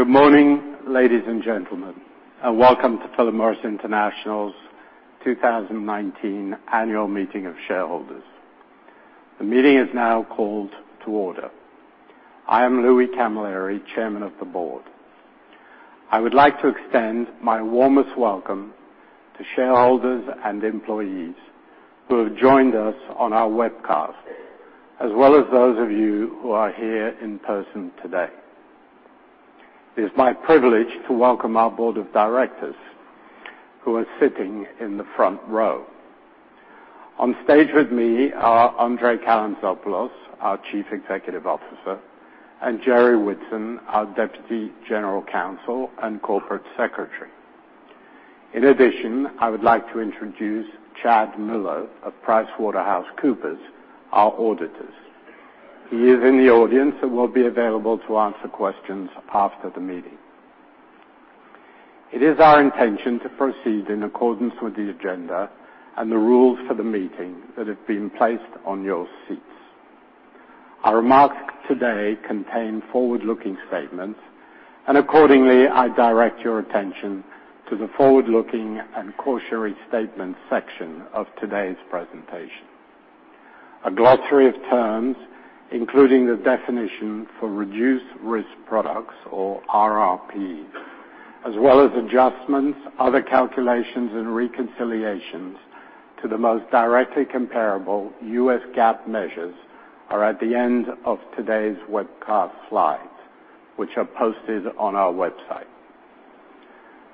Good morning, ladies and gentlemen, welcome to Philip Morris International's 2019 Annual Meeting of Shareholders. The meeting is now called to order. I am Louis Camilleri, Chairman of the Board. I would like to extend my warmest welcome to shareholders and employees who have joined us on our webcast, as well as those of you who are here in person today. It is my privilege to welcome our board of directors who are sitting in the front row. On stage with me are André Calantzopoulos, our Chief Executive Officer, and Jerry Whitson, our Deputy General Counsel and Corporate Secretary. In addition, I would like to introduce Chad Miller of PricewaterhouseCoopers, our auditors. He is in the audience and will be available to answer questions after the meeting. It is our intention to proceed in accordance with the agenda and the rules for the meeting that have been placed on your seats. Our remarks today contain forward-looking statements. Accordingly, I direct your attention to the forward-looking and cautionary statements section of today's presentation. A glossary of terms, including the definition for reduced-risk products, or RRPs, as well as adjustments, other calculations, and reconciliations to the most directly comparable U.S. GAAP measures, are at the end of today's webcast slides, which are posted on our website.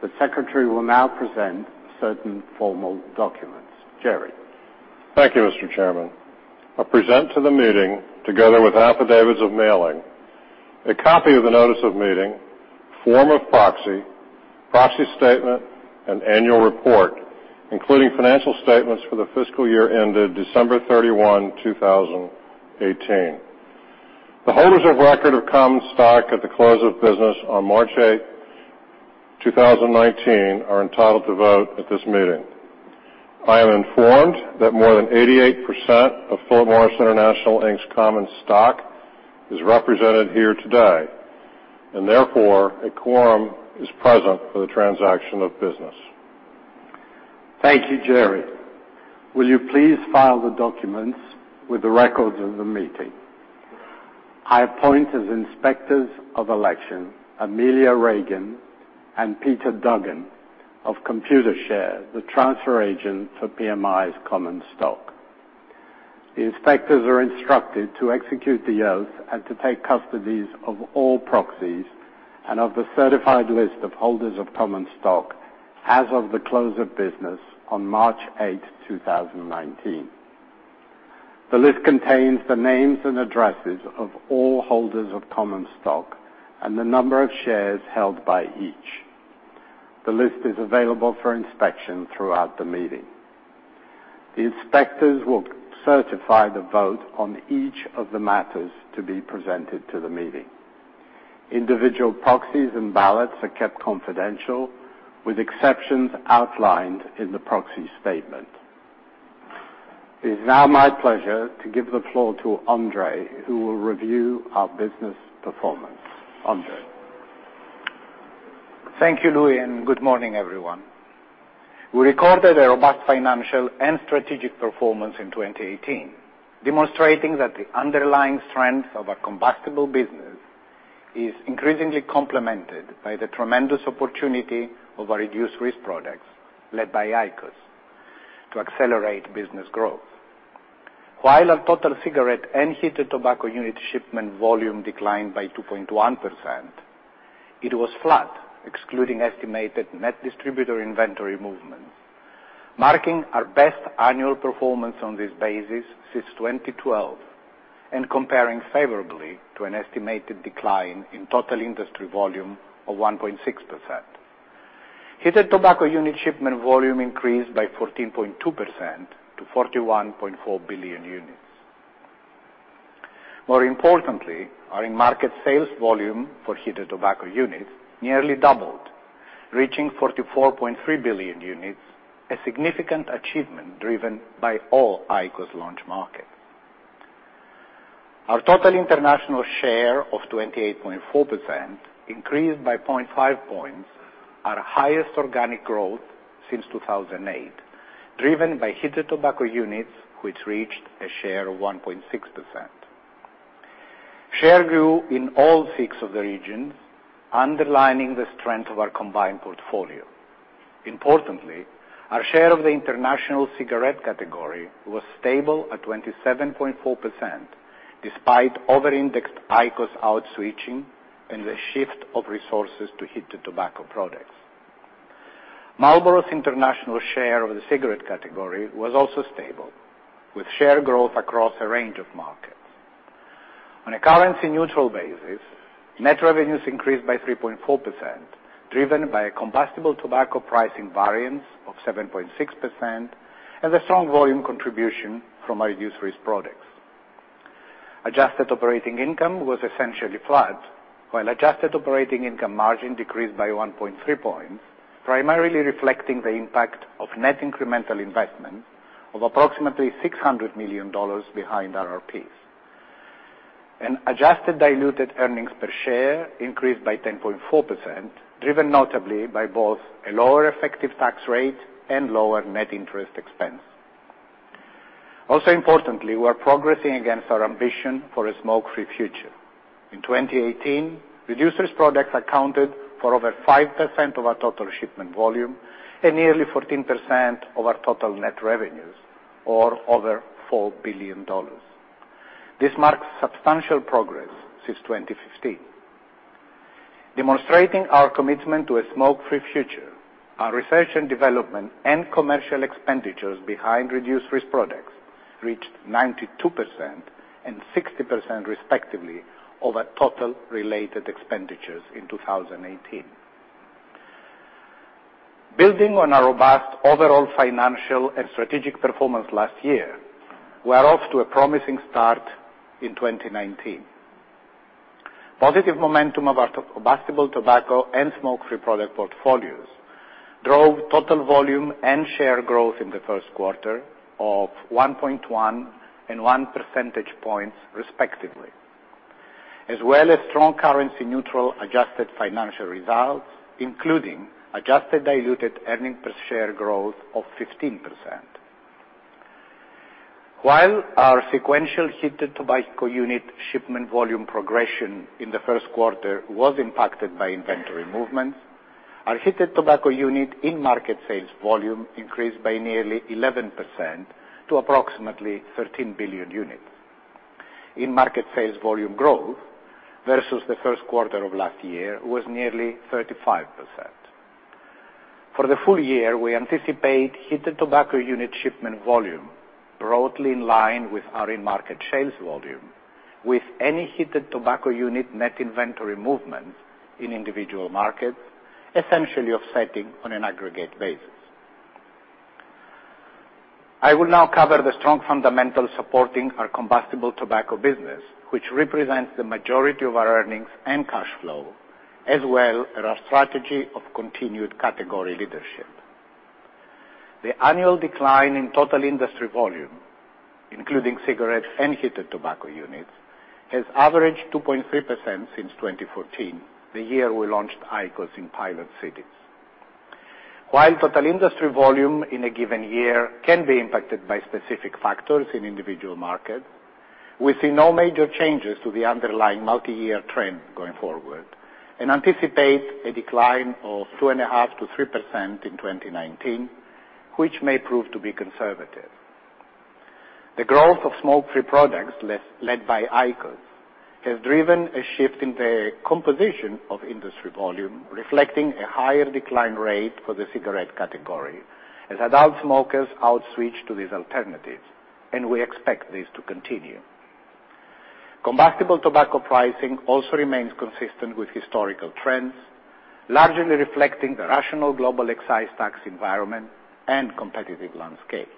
The secretary will now present certain formal documents. Jerry? Thank you, Mr. Chairman. I present to the meeting, together with affidavits of mailing, a copy of the notice of meeting, form of proxy statement, and annual report, including financial statements for the fiscal year ended December 31, 2018. The holders of record of common stock at the close of business on March 8, 2019, are entitled to vote at this meeting. I am informed that more than 88% of Philip Morris International Inc.'s common stock is represented here today. Therefore, a quorum is present for the transaction of business. Thank you, Jerry. Will you please file the documents with the records of the meeting? I appoint as inspectors of election, Amelia Reagan and Peter Duggan of Computershare, the transfer agent for PMI's common stock. The inspectors are instructed to execute the oath and to take custodies of all proxies and of the certified list of holders of common stock as of the close of business on March 8th, 2019. The list contains the names and addresses of all holders of common stock and the number of shares held by each. The list is available for inspection throughout the meeting. The inspectors will certify the vote on each of the matters to be presented to the meeting. Individual proxies and ballots are kept confidential, with exceptions outlined in the proxy statement. It is now my pleasure to give the floor to André, who will review our business performance. André? Thank you, Louis, and good morning, everyone. We recorded a robust financial and strategic performance in 2018, demonstrating that the underlying strength of our combustible business is increasingly complemented by the tremendous opportunity of our reduced-risk products, led by IQOS, to accelerate business growth. While our total cigarette and heated tobacco unit shipment volume declined by 2.1%, it was flat, excluding estimated net distributor inventory movement, marking our best annual performance on this basis since 2012, and comparing favorably to an estimated decline in total industry volume of 1.6%. Heated tobacco unit shipment volume increased by 14.2% to 41.4 billion units. More importantly, our in-market sales volume for heated tobacco units nearly doubled, reaching 44.3 billion units, a significant achievement driven by all IQOS launch markets. Our total international share of 28.4% increased by 0.5 points, our highest organic growth since 2008, driven by heated tobacco units, which reached a share of 1.6%. Share grew in all six of the regions, underlining the strength of our combined portfolio. Importantly, our share of the international cigarette category was stable at 27.4%, despite over-indexed IQOS out-switching and the shift of resources to heated tobacco products. Marlboro's international share of the cigarette category was also stable, with share growth across a range of markets. On a currency-neutral basis, net revenues increased by 3.4%, driven by a combustible tobacco pricing variance of 7.6% and a strong volume contribution from our reduced-risk products. Adjusted operating income was essentially flat. While adjusted operating income margin decreased by 1.3 points, primarily reflecting the impact of net incremental investment of approximately $600 million behind RRPs. Adjusted diluted earnings per share increased by 10.4%, driven notably by both a lower effective tax rate and lower net interest expense. Also importantly, we are progressing against our ambition for a smoke-free future. In 2018, reduced-risk products accounted for over 5% of our total shipment volume and nearly 14% of our total net revenues, or over $4 billion. This marks substantial progress since 2015. Demonstrating our commitment to a smoke-free future, our research and development and commercial expenditures behind reduced-risk products reached 92% and 60%, respectively, of our total related expenditures in 2018. Building on our robust overall financial and strategic performance last year, we're off to a promising start in 2019. Positive momentum of our combustible tobacco and smoke-free product portfolios drove total volume and share growth in the first quarter of 1.1 and 1 percentage points, respectively. As well as strong currency neutral adjusted financial results, including adjusted diluted earning per share growth of 15%. While our sequential heated tobacco unit shipment volume progression in the first quarter was impacted by inventory movements, our heated tobacco unit in-market sales volume increased by nearly 11% to approximately 13 billion units. In-market sales volume growth versus the first quarter of last year was nearly 35%. For the full year, we anticipate heated tobacco unit shipment volume broadly in line with our in-market sales volume, with any heated tobacco unit net inventory movements in individual markets essentially offsetting on an aggregate basis. I will now cover the strong fundamentals supporting our combustible tobacco business, which represents the majority of our earnings and cash flow, as well as our strategy of continued category leadership. The annual decline in total industry volume, including cigarettes and heated tobacco units, has averaged 2.3% since 2014, the year we launched IQOS in pilot cities. While total industry volume in a given year can be impacted by specific factors in individual markets, we see no major changes to the underlying multi-year trend going forward and anticipate a decline of 2.5% to 3% in 2019, which may prove to be conservative. The growth of smoke-free products, led by IQOS, has driven a shift in the composition of industry volume, reflecting a higher decline rate for the cigarette category as adult smokers out switch to these alternatives, and we expect this to continue. Combustible tobacco pricing also remains consistent with historical trends, largely reflecting the rational global excise tax environment and competitive landscape.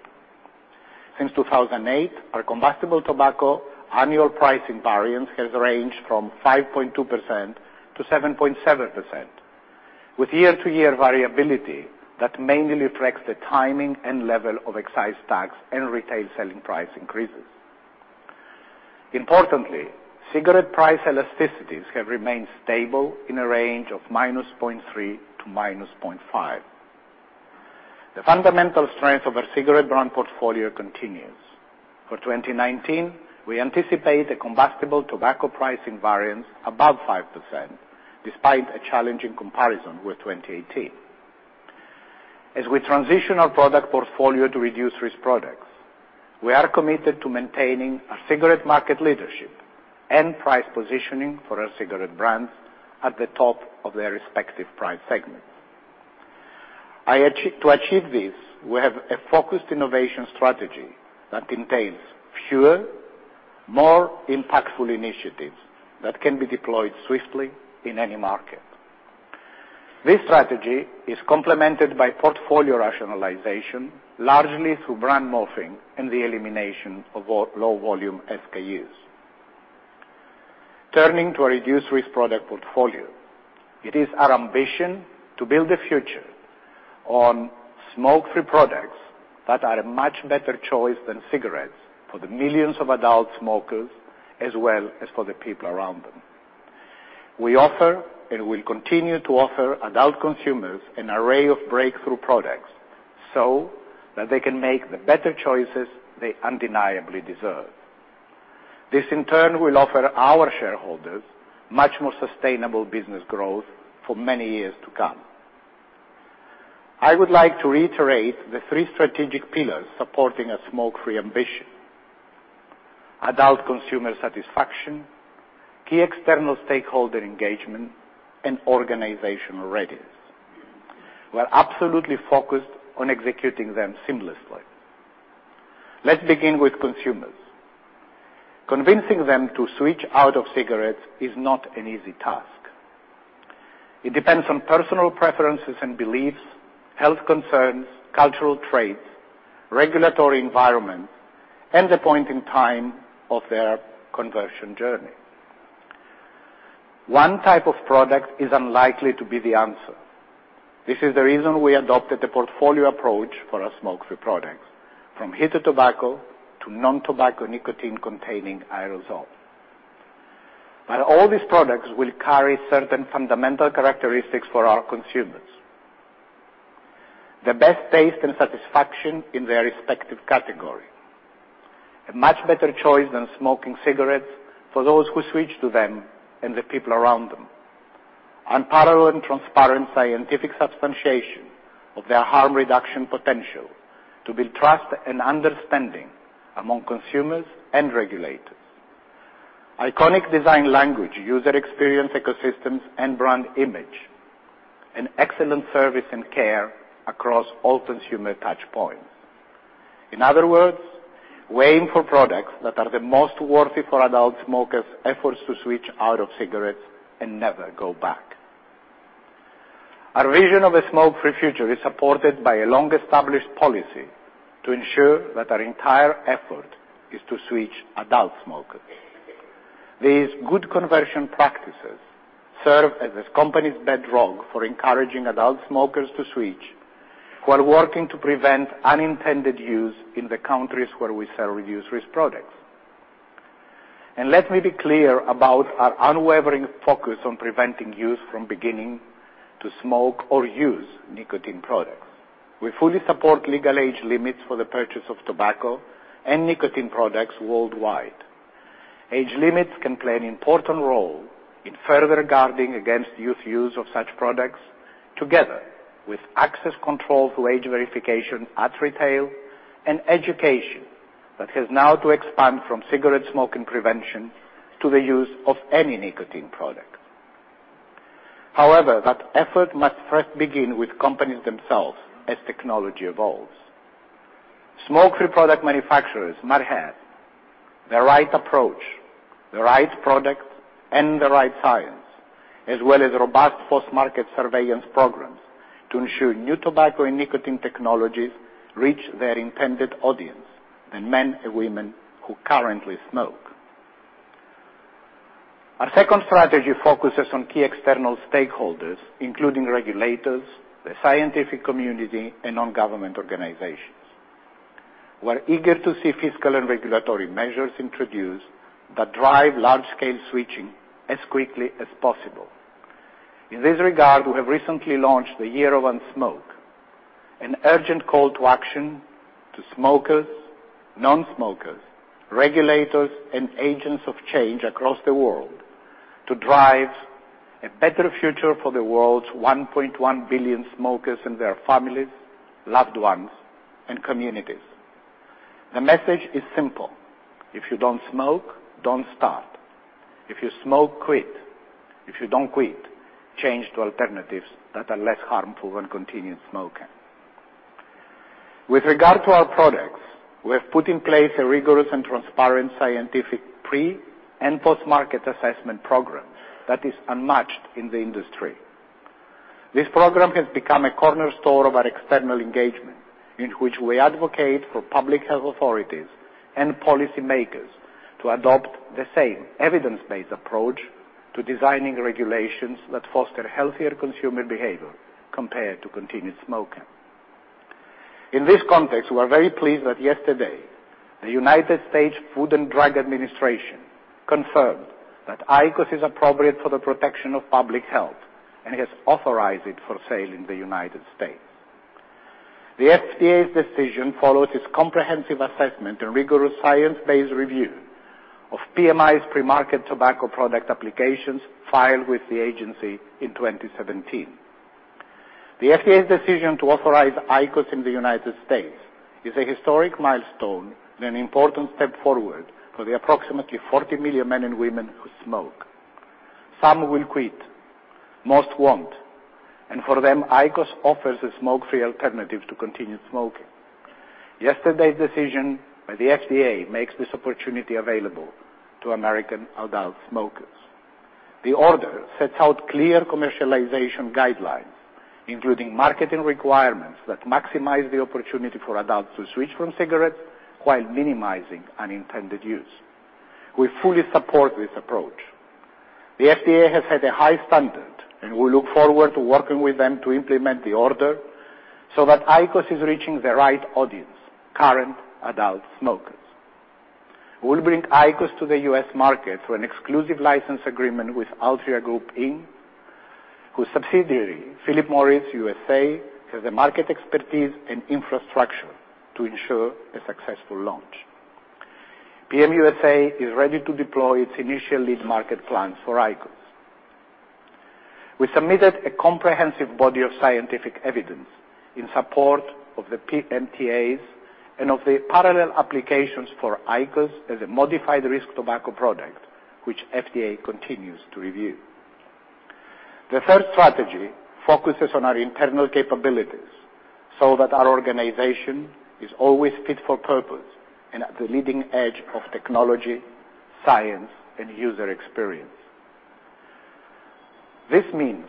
Since 2008, our combustible tobacco annual pricing variance has ranged from 5.2% to 7.7%, with year-to-year variability that mainly reflects the timing and level of excise tax and retail selling price increases. Importantly, cigarette price elasticities have remained stable in a range of –.3 to –.5. The fundamental strength of our cigarette brand portfolio continues. For 2019, we anticipate a combustible tobacco pricing variance above 5%, despite a challenging comparison with 2018. As we transition our product portfolio to reduced-risk products, we are committed to maintaining our cigarette market leadership and price positioning for our cigarette brands at the top of their respective price segments. To achieve this, we have a focused innovation strategy that contains fewer, more impactful initiatives that can be deployed swiftly in any market. This strategy is complemented by portfolio rationalization, largely through brand morphing and the elimination of low-volume SKUs. Turning to our reduced-risk product portfolio, it is our ambition to build a future on smoke-free products that are a much better choice than cigarettes for the millions of adult smokers as well as for the people around them. We offer, and will continue to offer adult consumers an array of breakthrough products so that they can make the better choices they undeniably deserve. This in turn will offer our shareholders much more sustainable business growth for many years to come. I would like to reiterate the three strategic pillars supporting our smoke-free ambition: adult consumer satisfaction, key external stakeholder engagement, and organizational readiness. We're absolutely focused on executing them seamlessly. Let's begin with consumers. Convincing them to switch out of cigarettes is not an easy task. It depends on personal preferences and beliefs, health concerns, cultural traits, regulatory environment, and the point in time of their conversion journey. One type of product is unlikely to be the answer. This is the reason we adopted a portfolio approach for our smoke-free products, from heated tobacco to non-tobacco nicotine-containing aerosol. While all these products will carry certain fundamental characteristics for our consumers, the best taste and satisfaction in their respective category, a much better choice than smoking cigarettes for those who switch to them and the people around them. Unparalleled and transparent scientific substantiation of their harm reduction potential to build trust and understanding among consumers and regulators. Iconic design language, user experience ecosystems, and brand image, and excellent service and care across all consumer touchpoints. In other words, weighing for products that are the most worthy for adult smokers' efforts to switch out of cigarettes and never go back. Our vision of a smoke-free future is supported by a long-established policy to ensure that our entire effort is to switch adult smokers. These good conversion practices serve as this company's bedrock for encouraging adult smokers to switch, while working to prevent unintended use in the countries where we sell reduced-risk products. Let me be clear about our unwavering focus on preventing youth from beginning to smoke or use nicotine products. We fully support legal age limits for the purchase of tobacco and nicotine products worldwide. Age limits can play an important role in further guarding against youth use of such products, together with access control through age verification at retail and education that has now to expand from cigarette smoking prevention to the use of any nicotine product. However, that effort must first begin with companies themselves as technology evolves. Smoke-free product manufacturers must have the right approach, the right product, and the right science, as well as robust post-market surveillance programs to ensure new tobacco and nicotine technologies reach their intended audience, the men and women who currently smoke. Our second strategy focuses on key external stakeholders, including regulators, the scientific community, and non-government organizations. We're eager to see fiscal and regulatory measures introduced that drive large-scale switching as quickly as possible. In this regard, we have recently launched The Year of Unsmoke, an urgent call to action to smokers, non-smokers, regulators, and agents of change across the world to drive a better future for the world's 1.1 billion smokers and their families, loved ones, and communities. The message is simple: If you don't smoke, don't start. If you smoke, quit. If you don't quit, change to alternatives that are less harmful than continued smoking. With regard to our products, we have put in place a rigorous and transparent scientific pre and post-market assessment program that is unmatched in the industry. This program has become a cornerstone of our external engagement in which we advocate for public health authorities and policymakers to adopt the same evidence-based approach to designing regulations that foster healthier consumer behavior compared to continued smoking. In this context, we are very pleased that yesterday, the U.S. Food and Drug Administration confirmed that IQOS is appropriate for the protection of public health and has authorized it for sale in the U.S. The FDA's decision follows its comprehensive assessment and rigorous science-based review of PMI's pre-market tobacco product applications filed with the agency in 2017. The FDA's decision to authorize IQOS in the U.S. is a historic milestone and an important step forward for the approximately 40 million men and women who smoke. Some will quit, most won't, and for them, IQOS offers a smoke-free alternative to continued smoking. Yesterday's decision by the FDA makes this opportunity available to American adult smokers. The order sets out clear commercialization guidelines, including marketing requirements that maximize the opportunity for adults to switch from cigarettes while minimizing unintended use. We fully support this approach. The FDA has set a high standard, we look forward to working with them to implement the order so that IQOS is reaching the right audience, current adult smokers. We'll bring IQOS to the U.S. market through an exclusive license agreement with Altria Group Inc, whose subsidiary, Philip Morris USA, has the market expertise and infrastructure to ensure a successful launch. PM USA is ready to deploy its initial lead market plans for IQOS. We submitted a comprehensive body of scientific evidence in support of the PMTAs and of the parallel applications for IQOS as a modified risk tobacco product, which FDA continues to review. The third strategy focuses on our internal capabilities so that our organization is always fit for purpose and at the leading edge of technology, science, and user experience. This means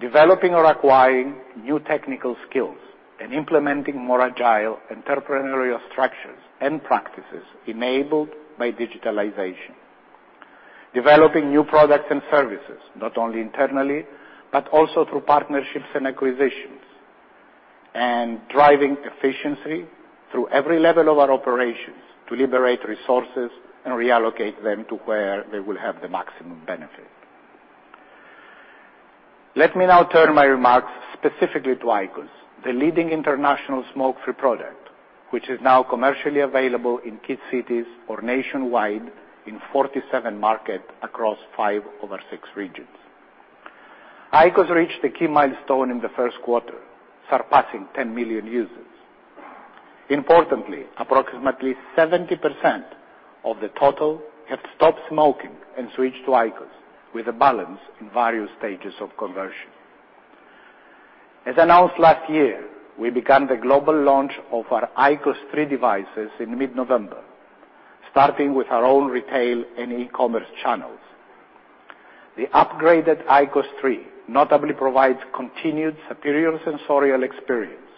developing or acquiring new technical skills and implementing more agile entrepreneurial structures and practices enabled by digitalization. Developing new products and services, not only internally, but also through partnerships and acquisitions. Driving efficiency through every level of our operations to liberate resources and reallocate them to where they will have the maximum benefit. Let me now turn my remarks specifically to IQOS, the leading international smoke-free product, which is now commercially available in key cities or nationwide in 47 markets across five of our six regions. IQOS reached a key milestone in the first quarter, surpassing 10 million users. Importantly, approximately 70% of the total have stopped smoking and switched to IQOS, with the balance in various stages of conversion. As announced last year, we began the global launch of our IQOS 3 devices in mid-November, starting with our own retail and e-commerce channels. The upgraded IQOS 3 notably provides continued superior sensorial experience,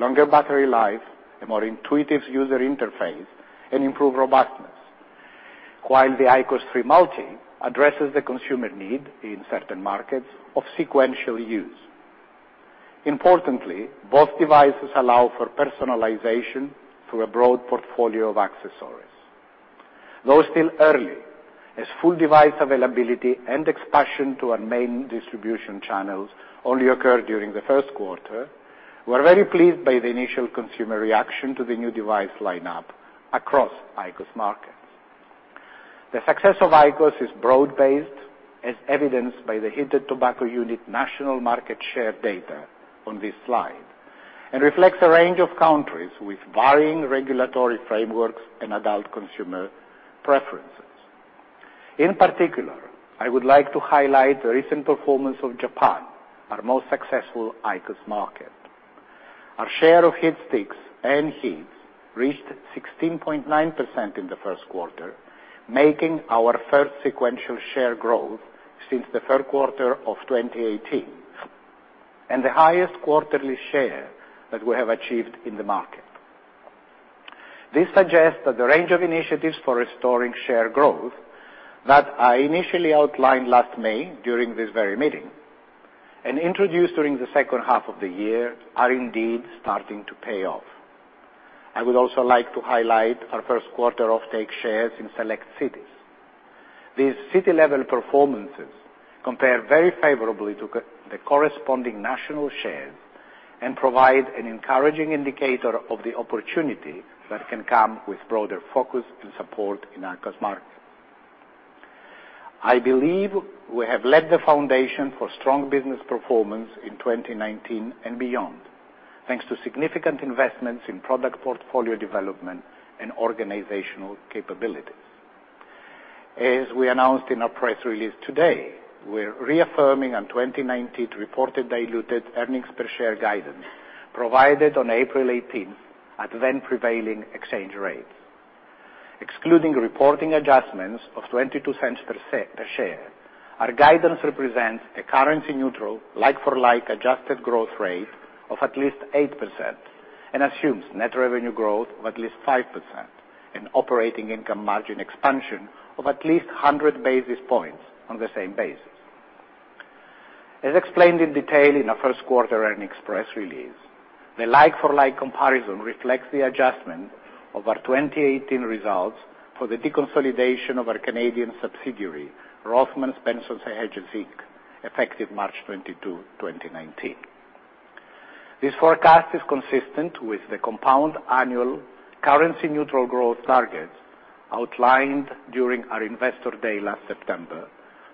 longer battery life, a more intuitive user interface, and improved robustness. While the IQOS 3 Multi addresses the consumer need in certain markets of sequential use. Importantly, both devices allow for personalization through a broad portfolio of accessories. Though still early, as full device availability and expansion to our main distribution channels only occurred during the first quarter, we're very pleased by the initial consumer reaction to the new device line-up across IQOS markets. The success of IQOS is broad-based, as evidenced by the heated tobacco unit national market share data on this slide, and reflects a range of countries with varying regulatory frameworks and adult consumer preferences. In particular, I would like to highlight the recent performance of Japan, our most successful IQOS market. Our share of HeatSticks and HEETS reached 16.9% in the first quarter, making our first sequential share growth since the third quarter of 2018, and the highest quarterly share that we have achieved in the market. This suggests that the range of initiatives for restoring share growth that I initially outlined last May during this very meeting and introduced during the second half of the year, are indeed starting to pay off. I would also like to highlight our first quarter off-take shares in select cities. These city-level performances compare very favorably to the corresponding national shares and provide an encouraging indicator of the opportunity that can come with broader focus and support in our core market. I believe we have laid the foundation for strong business performance in 2019 and beyond, thanks to significant investments in product portfolio development and organizational capabilities. As we announced in our press release today, we're reaffirming on 2019 reported diluted earnings per share guidance provided on April 18th at then prevailing exchange rates. Excluding reporting adjustments of $0.22 per share, our guidance represents a currency-neutral, like-for-like adjusted growth rate of at least 8% and assumes net revenue growth of at least 5% and operating income margin expansion of at least 100 basis points on the same basis. As explained in detail in our first quarter earnings press release, the like-for-like comparison reflects the adjustment of our 2018 results for the deconsolidation of our Canadian subsidiary, Rothmans, Benson & Hedges Inc., effective March 22, 2019. This forecast is consistent with the compound annual currency neutral growth targets outlined during our Investor Day last September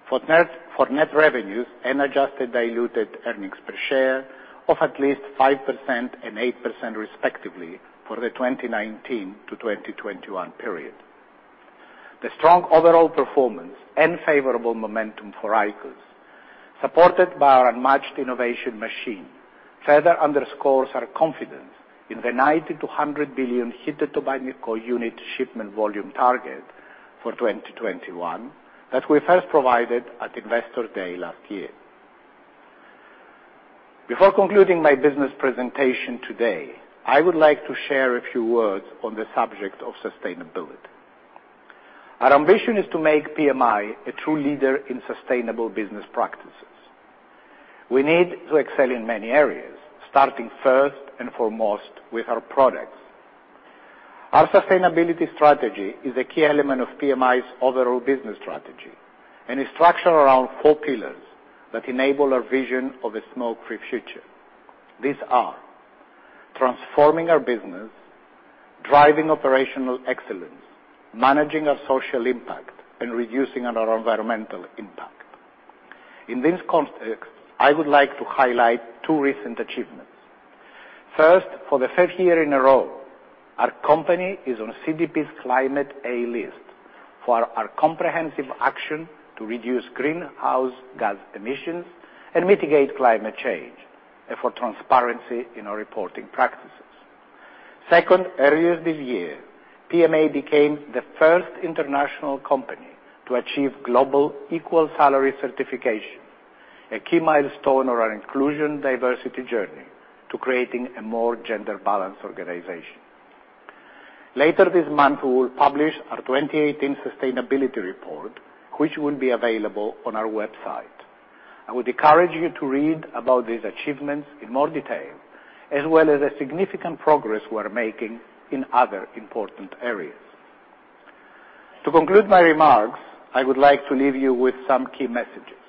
for net revenues and adjusted diluted earnings per share of at least 5% and 8% respectively for the 2019 to 2021 period. The strong overall performance and favorable momentum for IQOS, supported by our unmatched innovation machine, further underscores our confidence in the 90 billion to 100 billion heated tobacco unit shipment volume target for 2021 that we first provided at Investor Day last year. Before concluding my business presentation today, I would like to share a few words on the subject of sustainability. Our ambition is to make PMI a true leader in sustainable business practices. We need to excel in many areas, starting first and foremost with our products. Our sustainability strategy is a key element of PMI's overall business strategy and is structured around four pillars that enable our vision of a smoke-free future. These are transforming our business, driving operational excellence, managing our social impact, and reducing our environmental impact. In this context, I would like to highlight two recent achievements. First, for the third year in a row, our company is on CDP's Climate A List for our comprehensive action to reduce greenhouse gas emissions and mitigate climate change, and for transparency in our reporting practices. Second, earlier this year, PMI became the first international company to achieve global equal salary certification, a key milestone on our inclusion diversity journey to creating a more gender-balanced organization. Later this month, we will publish our 2018 sustainability report, which will be available on our website. I would encourage you to read about these achievements in more detail, as well as the significant progress we're making in other important areas. To conclude my remarks, I would like to leave you with some key messages.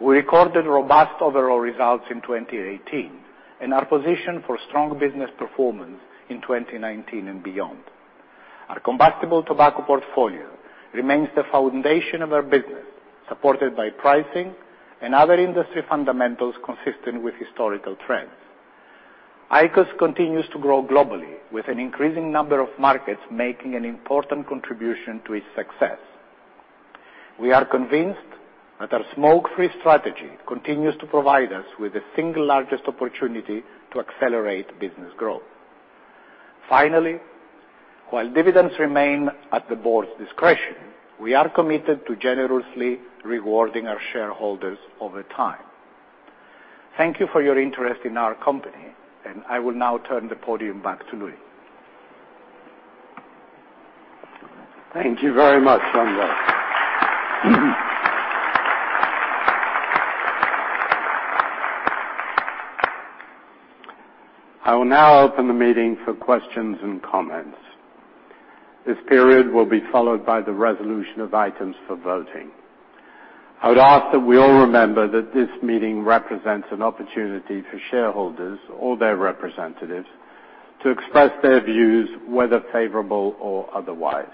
We recorded robust overall results in 2018 and are positioned for strong business performance in 2019 and beyond. Our combustible tobacco portfolio remains the foundation of our business, supported by pricing and other industry fundamentals consistent with historical trends. IQOS continues to grow globally with an increasing number of markets making an important contribution to its success. We are convinced that our smoke-free strategy continues to provide us with the single largest opportunity to accelerate business growth. Finally, while dividends remain at the board's discretion, we are committed to generously rewarding our shareholders over time. Thank you for your interest in our company, and I will now turn the podium back to Louis. Thank you very much, André. I will now open the meeting for questions and comments. This period will be followed by the resolution of items for voting. I would ask that we all remember that this meeting represents an opportunity for shareholders or their representatives to express their views, whether favorable or otherwise.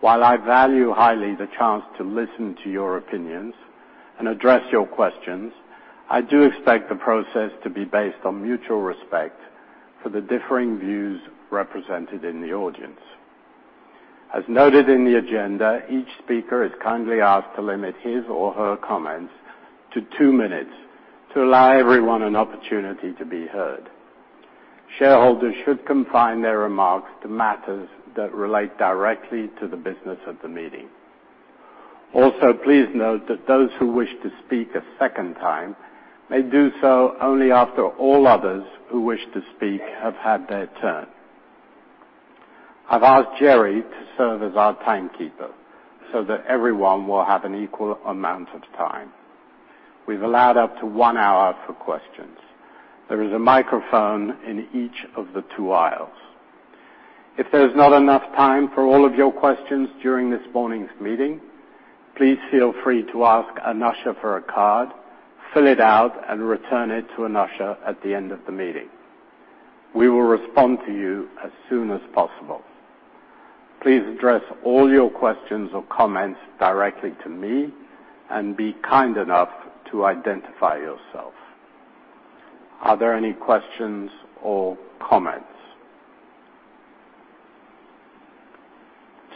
While I value highly the chance to listen to your opinions and address your questions, I do expect the process to be based on mutual respect for the differing views represented in the audience. As noted in the agenda, each speaker is kindly asked to limit his or her comments to two minutes to allow everyone an opportunity to be heard. Shareholders should confine their remarks to matters that relate directly to the business of the meeting. Also, please note that those who wish to speak a second time may do so only after all others who wish to speak have had their turn. I've asked Jerry to serve as our timekeeper so that everyone will have an equal amount of time. We've allowed up to one hour for questions. There is a microphone in each of the two aisles. If there's not enough time for all of your questions during this morning's meeting, please feel free to ask an usher for a card, fill it out, and return it to an usher at the end of the meeting. We will respond to you as soon as possible. Please address all your questions or comments directly to me and be kind enough to identify yourself. Are there any questions or comments?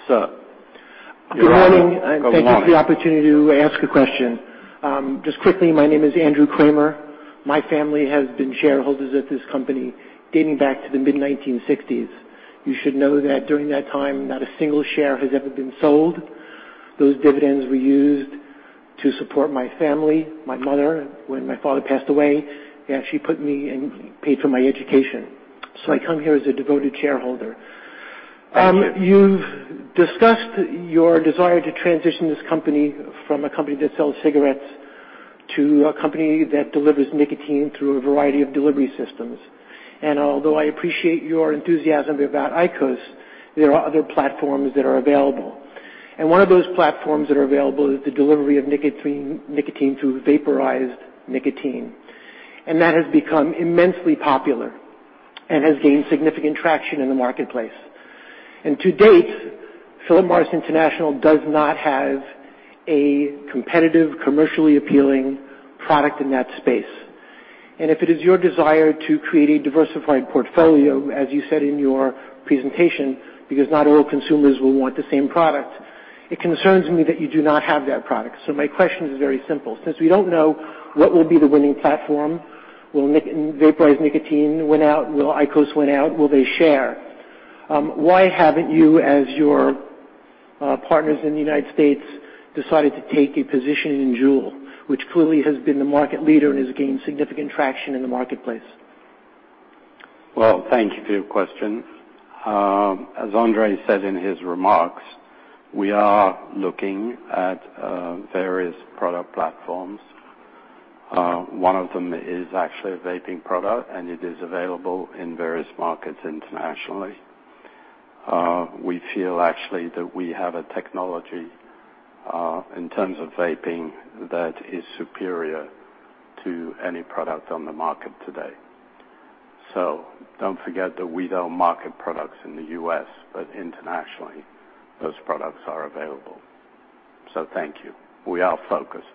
Sir. You're on. Good morning. Go on. Thank you for the opportunity to ask a question. Just quickly, my name is Andrew Kramer. My family has been shareholders at this company dating back to the mid-1960s. You should know that during that time, not a single share has ever been sold. Those dividends were used to support my family, my mother. When my father passed away, she paid for my education. I come here as a devoted shareholder. Thank you. You've discussed your desire to transition this company from a company that sells cigarettes to a company that delivers nicotine through a variety of delivery systems. Although I appreciate your enthusiasm about IQOS, there are other platforms that are available. One of those platforms that are available is the delivery of nicotine through vaporized nicotine. That has become immensely popular and has gained significant traction in the marketplace. To date, Philip Morris International does not have a competitive, commercially appealing product in that space. If it is your desire to create a diversified portfolio, as you said in your presentation, because not all consumers will want the same product, it concerns me that you do not have that product. My question is very simple. Since we don't know what will be the winning platform, will vaporized nicotine win out? Will IQOS win out? Will they share? Why haven't you, as your partners in the U.S., decided to take a position in Juul, which clearly has been the market leader and has gained significant traction in the marketplace? Well, thank you for your question. As André said in his remarks, we are looking at various product platforms. One of them is actually a vaping product, and it is available in various markets internationally. We feel, actually, that we have a technology, in terms of vaping, that is superior to any product on the market today. Don't forget that we don't market products in the U.S., but internationally, those products are available. Thank you. We are focused.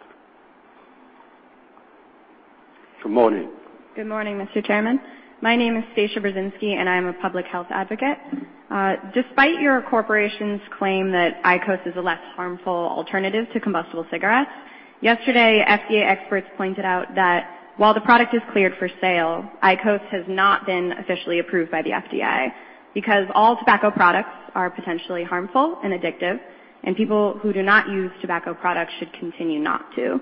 Good morning. Good morning, Mr. Chairman. My name is Stacia Brzezinski, and I'm a public health advocate. Despite your corporation's claim that IQOS is a less harmful alternative to combustible cigarettes, yesterday, FDA experts pointed out that while the product is cleared for sale, IQOS has not been officially approved by the FDA because all tobacco products are potentially harmful and addictive, and people who do not use tobacco products should continue not to.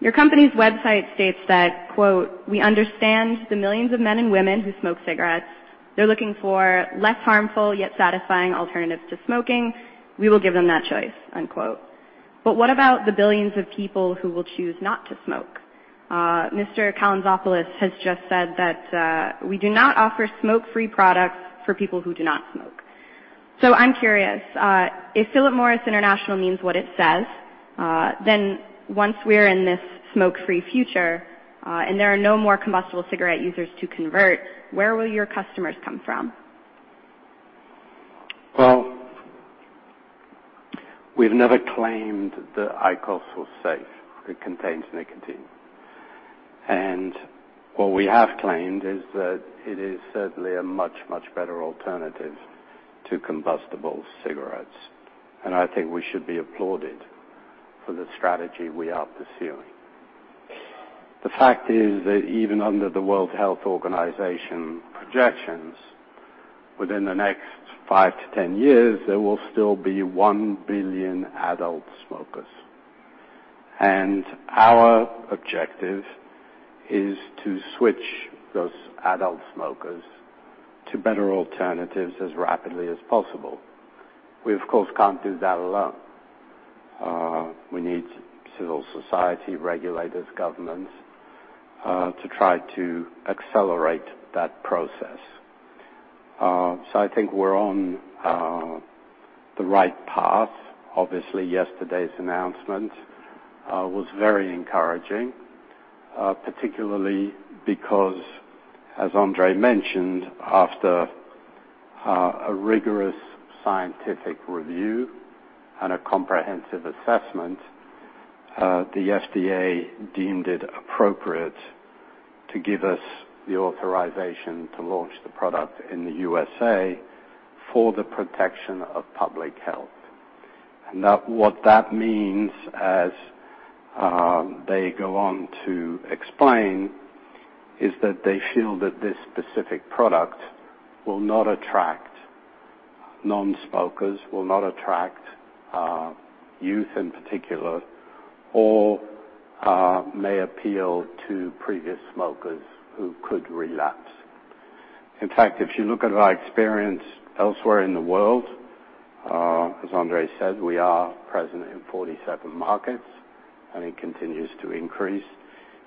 Your company's website states that, quote, "We understand the millions of men and women who smoke cigarettes. They're looking for less harmful, yet satisfying alternatives to smoking. We will give them that choice." Unquote. What about the billions of people who will choose not to smoke? Mr. Calantzopoulos has just said that we do not offer smoke-free products for people who do not smoke. I'm curious, if Philip Morris International means what it says, then once we're in this smoke-free future, and there are no more combustible cigarette users to convert, where will your customers come from? Well, we've never claimed that IQOS was safe. It contains nicotine. What we have claimed is that it is certainly a much better alternative to combustible cigarettes. I think we should be applauded for the strategy we are pursuing. The fact is that even under the World Health Organization projections, within the next 5 to 10 years, there will still be 1 billion adult smokers. Our objective is to switch those adult smokers to better alternatives as rapidly as possible. We, of course, can't do that alone. We need civil society regulators, governments, to try to accelerate that process. I think we're on the right path. Obviously, yesterday's announcement was very encouraging, particularly because, as André mentioned, after a rigorous scientific review and a comprehensive assessment, the FDA deemed it appropriate to give us the authorization to launch the product in the USA for the protection of public health. What that means, as they go on to explain, is that they feel that this specific product will not attract non-smokers, will not attract youth in particular, or may appeal to previous smokers who could relapse. In fact, if you look at our experience elsewhere in the world, as André said, we are present in 47 markets, and it continues to increase.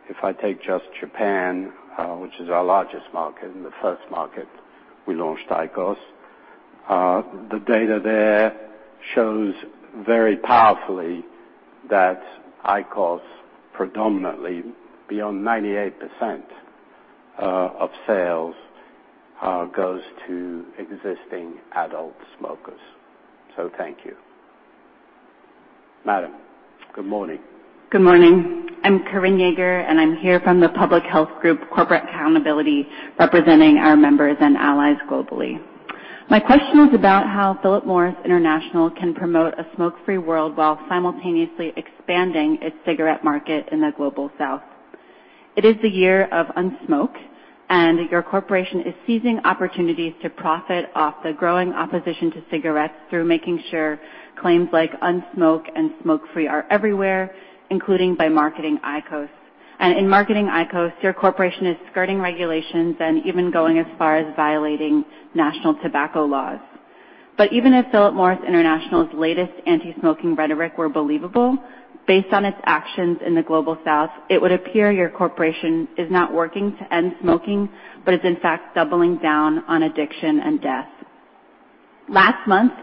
If I take just Japan, which is our largest market and the first market we launched IQOS, the data there shows very powerfully that IQOS predominantly, beyond 98% of sales, goes to existing adult smokers. Thank you. Madam, good morning. Good morning. I'm Karin Jaeger, and I'm here from the public health group Corporate Accountability, representing our members and allies globally. My question is about how Philip Morris International can promote a smoke-free world while simultaneously expanding its cigarette market in the Global South. It is The Year of Unsmoke, and your corporation is seizing opportunities to profit off the growing opposition to cigarettes through making sure claims like unsmoke and smoke-free are everywhere, including by marketing IQOS. In marketing IQOS, your corporation is skirting regulations and even going as far as violating national tobacco laws. Even if Philip Morris International's latest anti-smoking rhetoric were believable, based on its actions in the Global South, it would appear your corporation is not working to end smoking, but is in fact doubling down on addiction and death. Last month,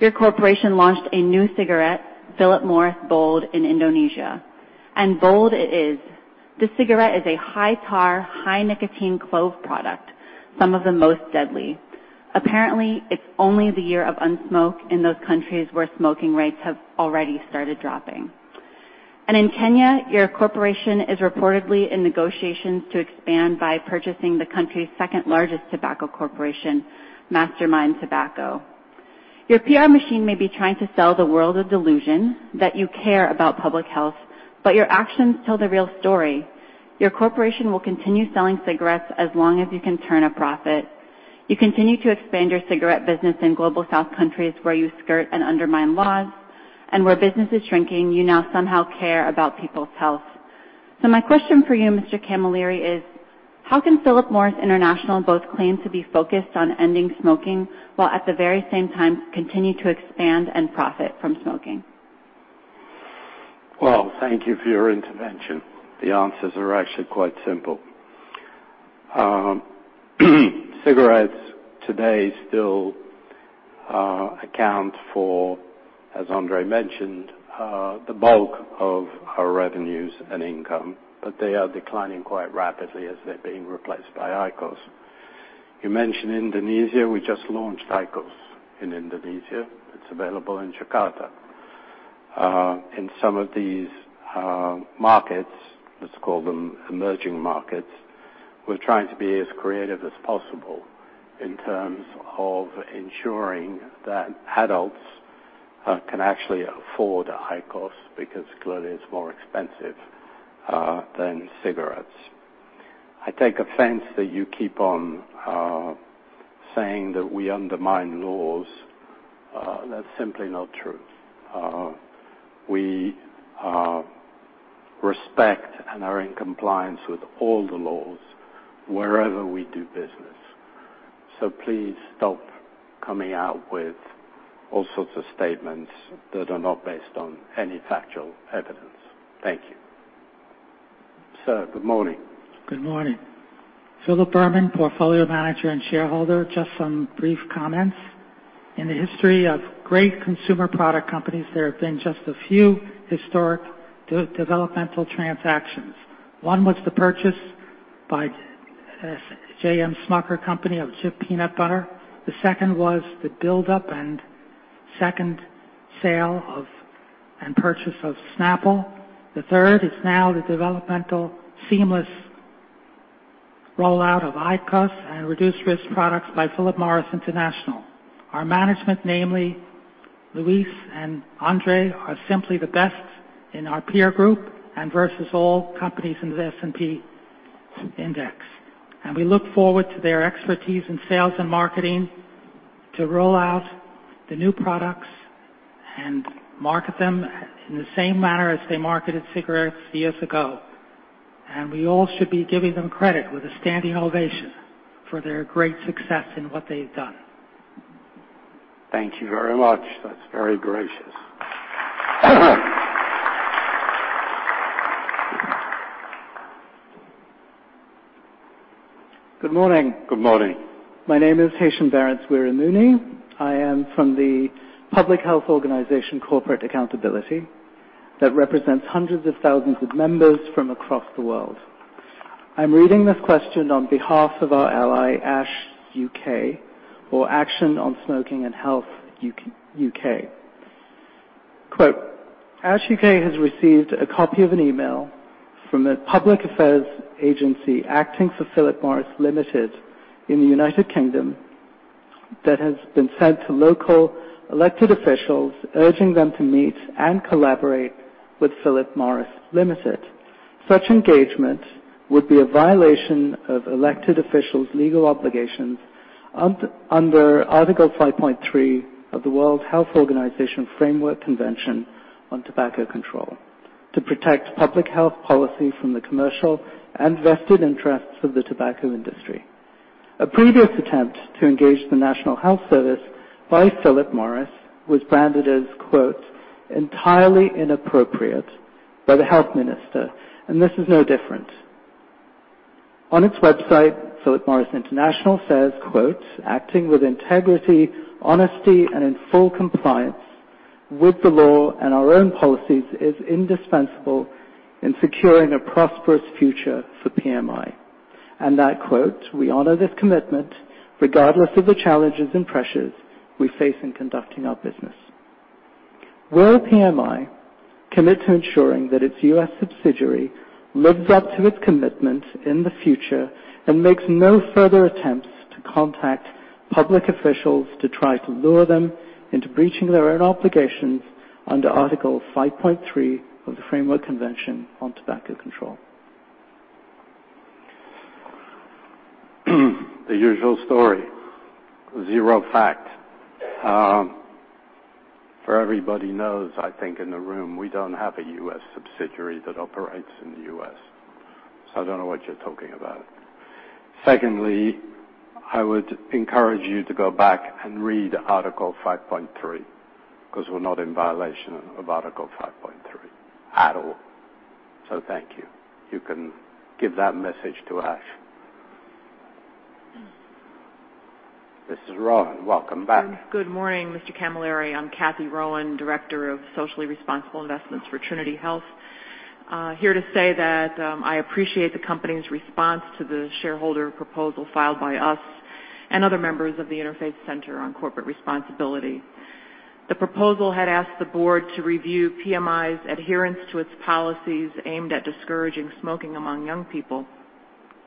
your corporation launched a new cigarette, Philip Morris Bold, in Indonesia. Bold it is. This cigarette is a high-tar, high-nicotine clove product, some of the most deadly. Apparently, it's only The Year of Unsmoke in those countries where smoking rates have already started dropping. In Kenya, your corporation is reportedly in negotiations to expand by purchasing the country's second-largest tobacco corporation, Mastermind Tobacco. Your PR machine may be trying to sell the world a delusion that you care about public health, but your actions tell the real story. Your corporation will continue selling cigarettes as long as you can turn a profit. You continue to expand your cigarette business in Global South countries where you skirt and undermine laws, and where business is shrinking, you now somehow care about people's health. My question for you, Mr. Camilleri, is how can Philip Morris International both claim to be focused on ending smoking while at the very same time continue to expand and profit from smoking? Well, thank you for your intervention. The answers are actually quite simple. Cigarettes today still account for, as André mentioned, the bulk of our revenues and income. They are declining quite rapidly as they're being replaced by IQOS. You mentioned Indonesia. We just launched IQOS in Indonesia. It's available in Jakarta. In some of these markets, let's call them emerging markets, we're trying to be as creative as possible in terms of ensuring that adults can actually afford IQOS, because clearly it's more expensive than cigarettes. I take offense that you keep on saying that we undermine laws. That's simply not true. We respect and are in compliance with all the laws wherever we do business. Please stop coming out with all sorts of statements that are not based on any factual evidence. Thank you. Sir, good morning. Good morning. Philip Berman, portfolio manager and shareholder. Just some brief comments. In the history of great consumer product companies, there have been just a few historic developmental transactions. One was the purchase by J.M. Smucker Company of Jif Peanut Butter. The second was the buildup and second sale of and purchase of Snapple. The third is now the developmental seamless rollout of IQOS and reduced-risk products by Philip Morris International. Our management, namely Louis and André, are simply the best in our peer group and versus all companies in the S&P index. We look forward to their expertise in sales and marketing to roll out the new products and market them in the same manner as they marketed cigarettes years ago. We all should be giving them credit with a standing ovation for their great success in what they've done. Thank you very much. That's very gracious. Good morning. Good morning. My name is Hashan Barrits Weeramuny. I am from the public health organization, Corporate Accountability, that represents hundreds of thousands of members from across the world. I am reading this question on behalf of our ally, ASH U.K., or Action on Smoking and Health, U.K. Quote: "ASH U.K. has received a copy of an email from a public affairs agency acting for Philip Morris Limited in the U.K. that has been sent to local elected officials, urging them to meet and collaborate with Philip Morris Limited. Such engagement would be a violation of elected officials' legal obligations under Article 5.3 of the World Health Organization Framework Convention on Tobacco Control to protect public health policy from the commercial and vested interests of the tobacco industry. A previous attempt to engage the National Health Service by Philip Morris was branded as 'entirely inappropriate' by the health minister, this is no different. On its website, Philip Morris International says, 'Acting with integrity, honesty, and in full compliance with the law and our own policies is indispensable in securing a prosperous future for PMI.' That, 'We honor this commitment, regardless of the challenges and pressures we face in conducting our business.' Will PMI commit to ensuring that its U.S. subsidiary lives up to its commitment in the future and makes no further attempts to contact public officials to try to lure them into breaching their own obligations under Article 5.3 of the Framework Convention on Tobacco Control? The usual story. Zero fact. For everybody knows, I think, in the room, we don't have a U.S. subsidiary that operates in the U.S. I don't know what you're talking about. Secondly, I would encourage you to go back and read Article 5.3, because we're not in violation of Article 5.3 at all. Thank you. You can give that message to ASH. Mrs. Rowan, welcome back. Good morning, Mr. Camilleri. I'm Cathy Rowan, Director of Socially Responsible Investments for Trinity Health. Here to say that I appreciate the company's response to the shareholder proposal filed by us and other members of the Interfaith Center on Corporate Responsibility. The proposal had asked the board to review PMI's adherence to its policies aimed at discouraging smoking among young people,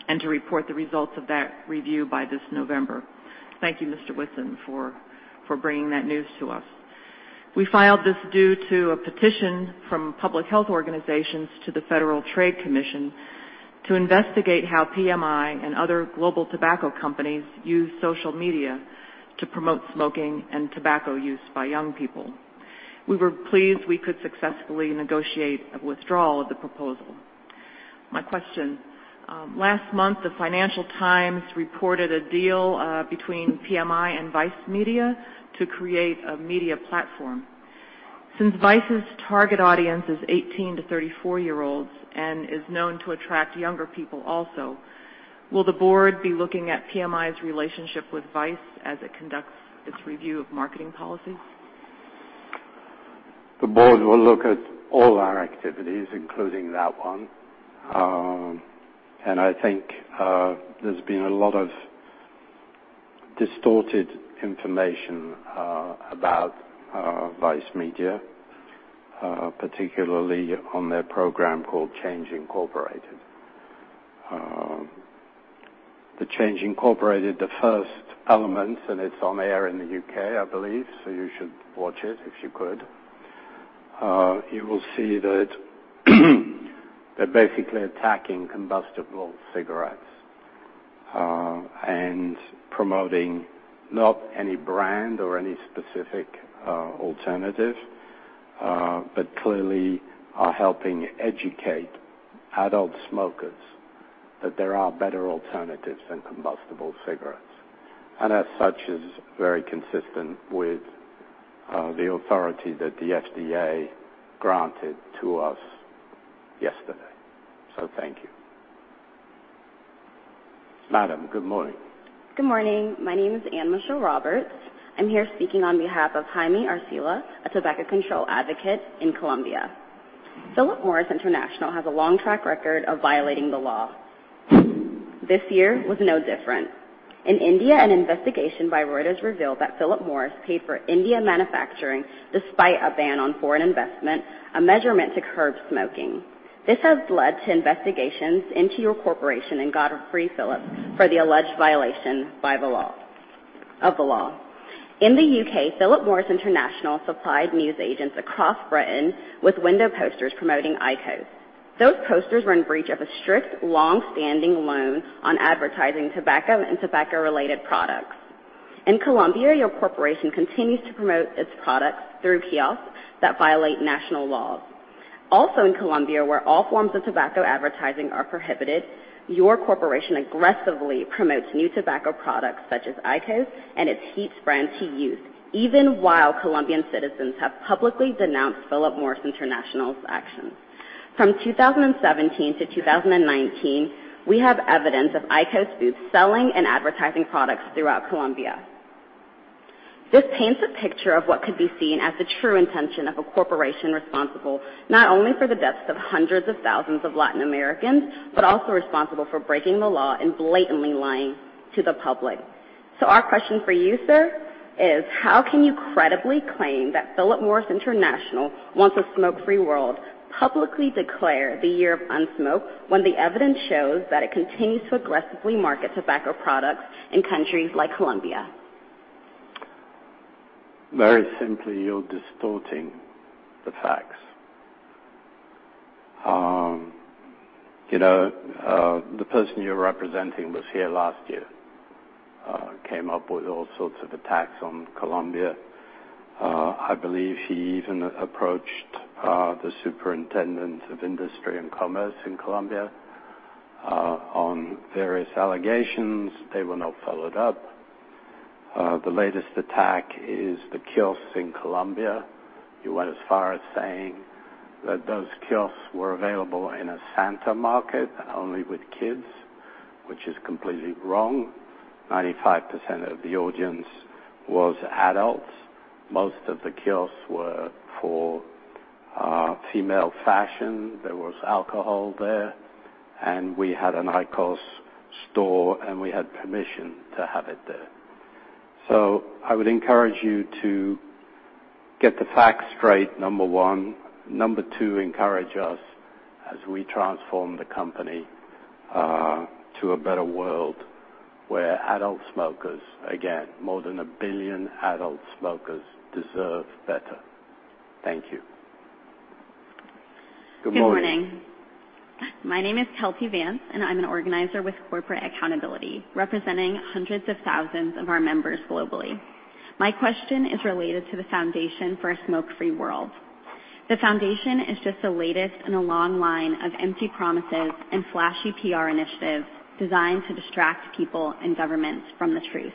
and to report the results of that review by this November. Thank you, Mr. Whitson, for bringing that news to us. We filed this due to a petition from public health organizations to the Federal Trade Commission to investigate how PMI and other global tobacco companies use social media to promote smoking and tobacco use by young people. We were pleased we could successfully negotiate a withdrawal of the proposal. My question. Last month, the Financial Times reported a deal between PMI and Vice Media to create a media platform. Since Vice's target audience is 18-34-year-olds and is known to attract younger people also, will the board be looking at PMI's relationship with Vice as it conducts its review of marketing policies? The board will look at all our activities, including that one. I think there's been a lot of distorted information about Vice Media, particularly on their program called "Change Incorporated." The "Change Incorporated," the first element, it's on air in the U.K., I believe, so you should watch it, if you could. You will see that they're basically attacking combustible cigarettes, and promoting not any brand or any specific alternative, but clearly are helping educate adult smokers that there are better alternatives than combustible cigarettes. As such, is very consistent with the authority that the FDA granted to us yesterday. Thank you. Madam, good morning. Good morning. My name is Anne Michelle Roberts. I'm here speaking on behalf of Jaime Arcila, a tobacco control advocate in Colombia. Philip Morris International has a long track record of violating the law. This year was no different. In India, an investigation by Reuters revealed that Philip Morris paid for India manufacturing despite a ban on foreign investment, a measurement to curb smoking. This has led to investigations into your corporation in Godfrey Phillips for the alleged violation of the law. In the U.K., Philip Morris International supplied news agents across Britain with window posters promoting IQOS. Those posters were in breach of a strict longstanding ban on advertising tobacco and tobacco-related products. In Colombia, your corporation continues to promote its products through kiosks that violate national laws. Also in Colombia, where all forms of tobacco advertising are prohibited, your corporation aggressively promotes new tobacco products such as IQOS and its HeatSticks to youth, even while Colombian citizens have publicly denounced Philip Morris International's actions. From 2017 to 2019, we have evidence of IQOS selling and advertising products throughout Colombia. This paints a picture of what could be seen as the true intention of a corporation responsible not only for the deaths of hundreds of thousands of Latin Americans, but also responsible for breaking the law and blatantly lying to the public. Our question for you, sir, is how can you credibly claim that Philip Morris International wants a smoke-free world, publicly declare The Year of Unsmoke, when the evidence shows that it continues to aggressively market tobacco products in countries like Colombia? Very simply, you're distorting the facts. The person you're representing was here last year, came up with all sorts of attacks on Colombia. I believe he even approached the Superintendency of Industry and Commerce in Colombia on various allegations. They were not followed up. The latest attack is the kiosks in Colombia. He went as far as saying that those kiosks were available in a Santa market only with kids, which is completely wrong. 95% of the audience was adults. Most of the kiosks were for female fashion. There was alcohol there. We had an IQOS store, and we had permission to have it there. I would encourage you to get the facts straight, number 1. Number 2, encourage us as we transform the company to a better world where adult smokers, again, more than 1 billion adult smokers deserve better. Thank you. Good morning. Good morning. My name is Keltie Vance, and I'm an organizer with Corporate Accountability, representing hundreds of thousands of our members globally. My question is related to the Foundation for a Smoke-Free World. The foundation is just the latest in a long line of empty promises and flashy PR initiatives designed to distract people and governments from the truth.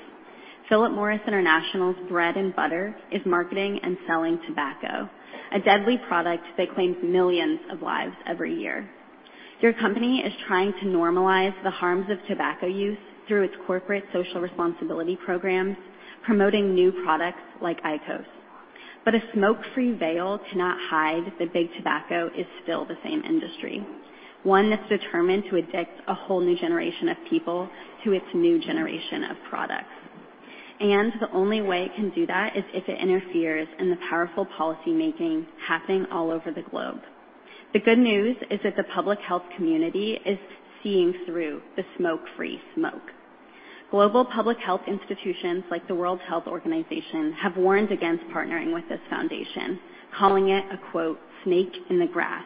Philip Morris International's bread and butter is marketing and selling tobacco, a deadly product that claims millions of lives every year. Your company is trying to normalize the harms of tobacco use through its corporate social responsibility programs, promoting new products like IQOS. A smoke-free veil cannot hide that big tobacco is still the same industry. One that's determined to addict a whole new generation of people to its new generation of products. The only way it can do that is if it interferes in the powerful policymaking happening all over the globe. The good news is that the public health community is seeing through the smoke-free smoke. Global public health institutions like the World Health Organization have warned against partnering with this foundation, calling it a, quote, "snake in the grass."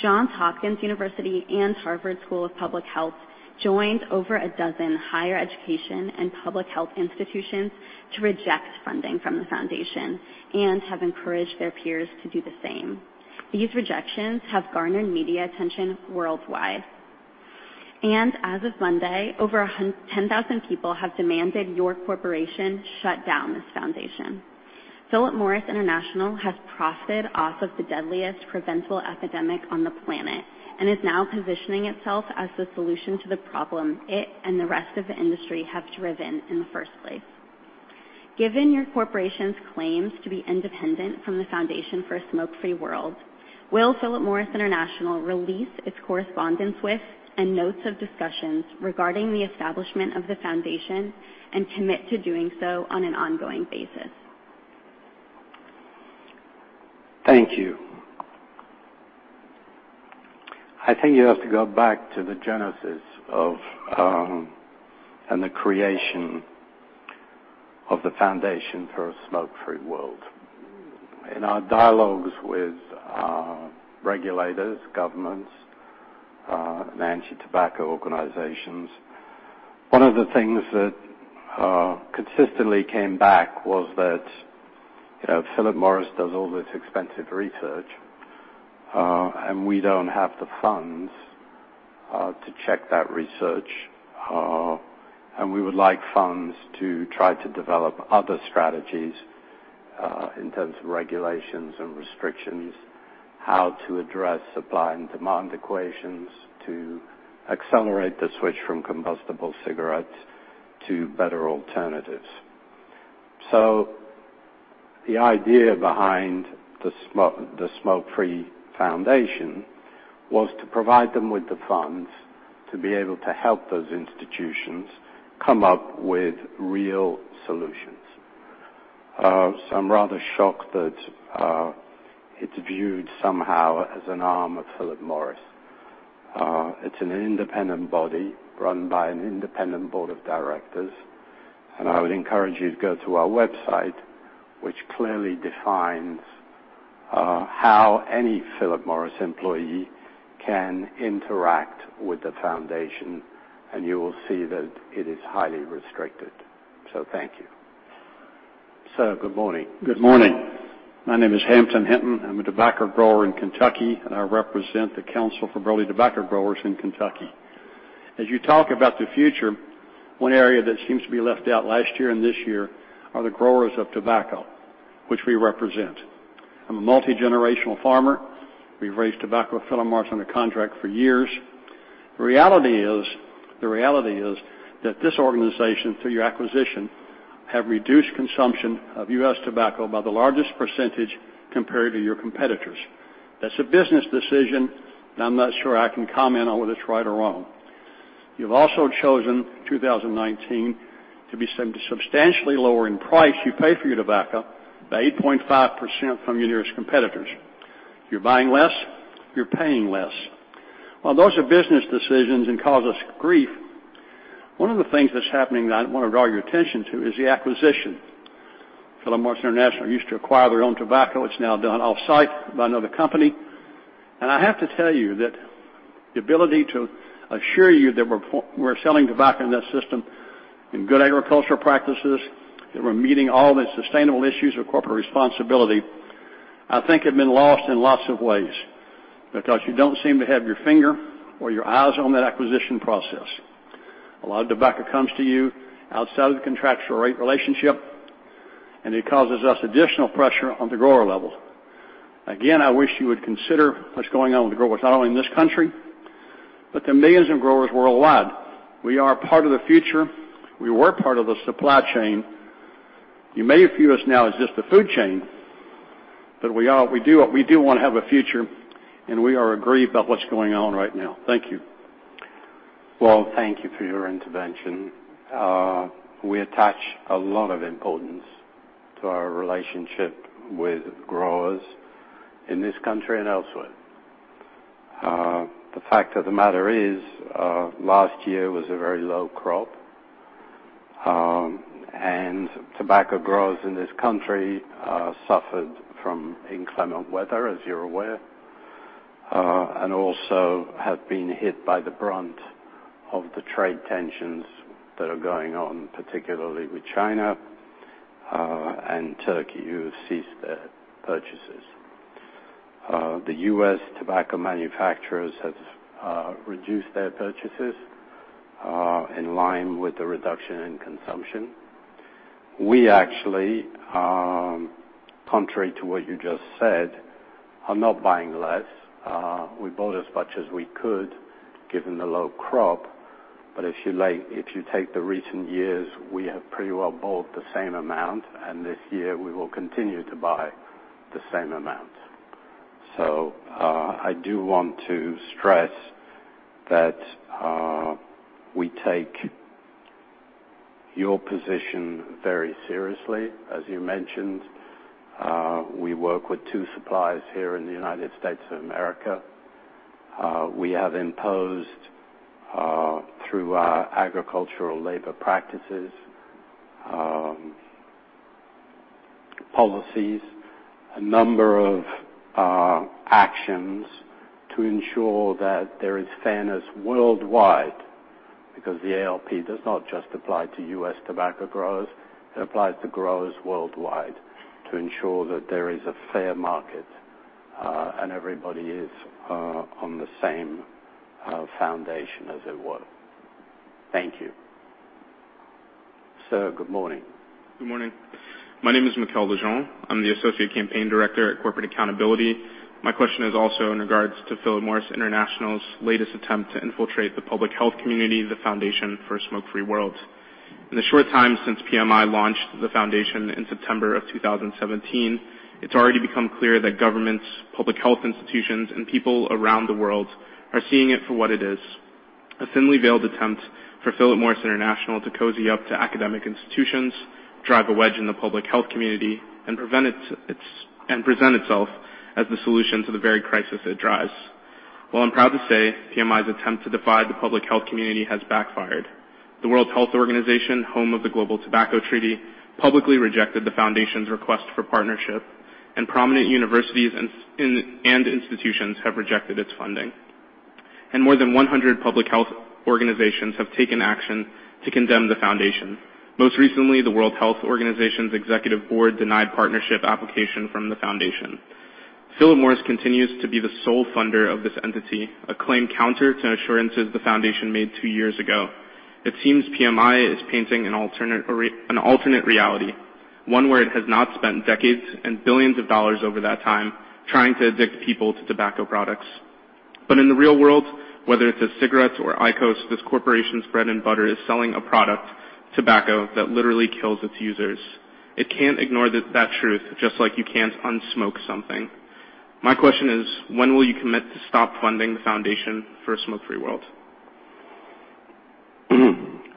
Johns Hopkins University and Harvard School of Public Health joined over a dozen higher education and public health institutions to reject funding from the foundation and have encouraged their peers to do the same. These rejections have garnered media attention worldwide. As of Monday, over 10,000 people have demanded your corporation shut down this foundation. Philip Morris International has profited off of the deadliest preventable epidemic on the planet and is now positioning itself as the solution to the problem it and the rest of the industry have driven in the first place. Given your corporation's claims to be independent from the Foundation for a Smoke-Free World, will Philip Morris International release its correspondence with and notes of discussions regarding the establishment of the foundation and commit to doing so on an ongoing basis? Thank you. I think you have to go back to the genesis of and the creation of the Foundation for a Smoke-Free World. In our dialogues with regulators, governments, and anti-tobacco organizations, one of the things that consistently came back was that Philip Morris does all this expensive research, and we don't have the funds to check that research. We would like funds to try to develop other strategies in terms of regulations and restrictions, how to address supply and demand equations to accelerate the switch from combustible cigarettes to better alternatives. The idea behind the Smoke-Free Foundation was to provide them with the funds to be able to help those institutions come up with real solutions. I'm rather shocked that it's viewed somehow as an arm of Philip Morris. It's an independent body run by an independent board of directors, I would encourage you to go to our website, which clearly defines how any Philip Morris employee can interact with the foundation, and you will see that it is highly restricted. Thank you. Sir, good morning. Good morning. My name is Hampton Hinton. I'm a tobacco grower in Kentucky, and I represent the Council for Burley Tobacco Growers in Kentucky. As you talk about the future, one area that seems to be left out last year and this year are the growers of tobacco, which we represent. I'm a multi-generational farmer. We've raised tobacco for Philip Morris under contract for years. The reality is that this organization, through your acquisition, have reduced consumption of U.S. tobacco by the largest percentage compared to your competitors. That's a business decision, and I'm not sure I can comment on whether it's right or wrong. You've also chosen 2019 to be substantially lower in price you pay for your tobacco by 8.5% from your nearest competitors. You're buying less. You're paying less. While those are business decisions and cause us grief, one of the things that's happening that I want to draw your attention to is the acquisition. Philip Morris International used to acquire their own tobacco. It's now done off-site by another company. I have to tell you that the ability to assure you that we're selling tobacco in that system in good agricultural practices, that we're meeting all the sustainable issues of corporate responsibility, I think have been lost in lots of ways. You don't seem to have your finger or your eyes on that acquisition process. A lot of tobacco comes to you outside of the contractual rate relationship, and it causes us additional pressure on the grower level. Again, I wish you would consider what's going on with the growers, not only in this country, but the millions of growers worldwide. We are part of the future. We were part of the supply chain. You may view us now as just the food chain, but we do want to have a future, and we are aggrieved about what's going on right now. Thank you. Well, thank you for your intervention. We attach a lot of importance to our relationship with growers in this country and elsewhere. The fact of the matter is last year was a very low crop. Tobacco growers in this country suffered from inclement weather, as you're aware. Also have been hit by the brunt of the trade tensions that are going on, particularly with China. Turkey, who have ceased their purchases. The U.S. tobacco manufacturers have reduced their purchases in line with the reduction in consumption. We actually, contrary to what you just said, are not buying less. We bought as much as we could given the low crop. If you take the recent years, we have pretty well bought the same amount, and this year we will continue to buy the same amount. I do want to stress that we take your position very seriously. As you mentioned, we work with two suppliers here in the United States of America. We have imposed through our agricultural labor practices policies, a number of actions to ensure that there is fairness worldwide. The ALP does not just apply to U.S. tobacco growers, it applies to growers worldwide to ensure that there is a fair market and everybody is on the same foundation, as it were. Thank you. Sir, good morning. Good morning. My name is Michél Legendre. I'm the Associate Campaign Director at Corporate Accountability. My question is also in regards to Philip Morris International's latest attempt to infiltrate the public health community, the Foundation for a Smoke-Free World. In the short time since PMI launched the foundation in September of 2017, it's already become clear that governments, public health institutions, and people around the world are seeing it for what it is, a thinly veiled attempt for Philip Morris International to cozy up to academic institutions, drive a wedge in the public health community, and present itself as the solution to the very crisis it drives. I'm proud to say PMI's attempt to divide the public health community has backfired. The World Health Organization, home of the Global Tobacco Treaty, publicly rejected the foundation's request for partnership, and prominent universities and institutions have rejected its funding. More than 100 public health organizations have taken action to condemn the foundation. Most recently, the World Health Organization's executive board denied partnership application from the foundation. Philip Morris continues to be the sole funder of this entity, a claim counter to assurances the foundation made two years ago. It seems PMI is painting an alternate reality, one where it has not spent decades and billions of dollars over that time trying to addict people to tobacco products. In the real world, whether it's a cigarette or IQOS, this corporation's bread and butter is selling a product, tobacco, that literally kills its users. It can't ignore that truth, just like you can't unsmoke something. My question is, when will you commit to stop funding the Foundation for a Smoke-Free World?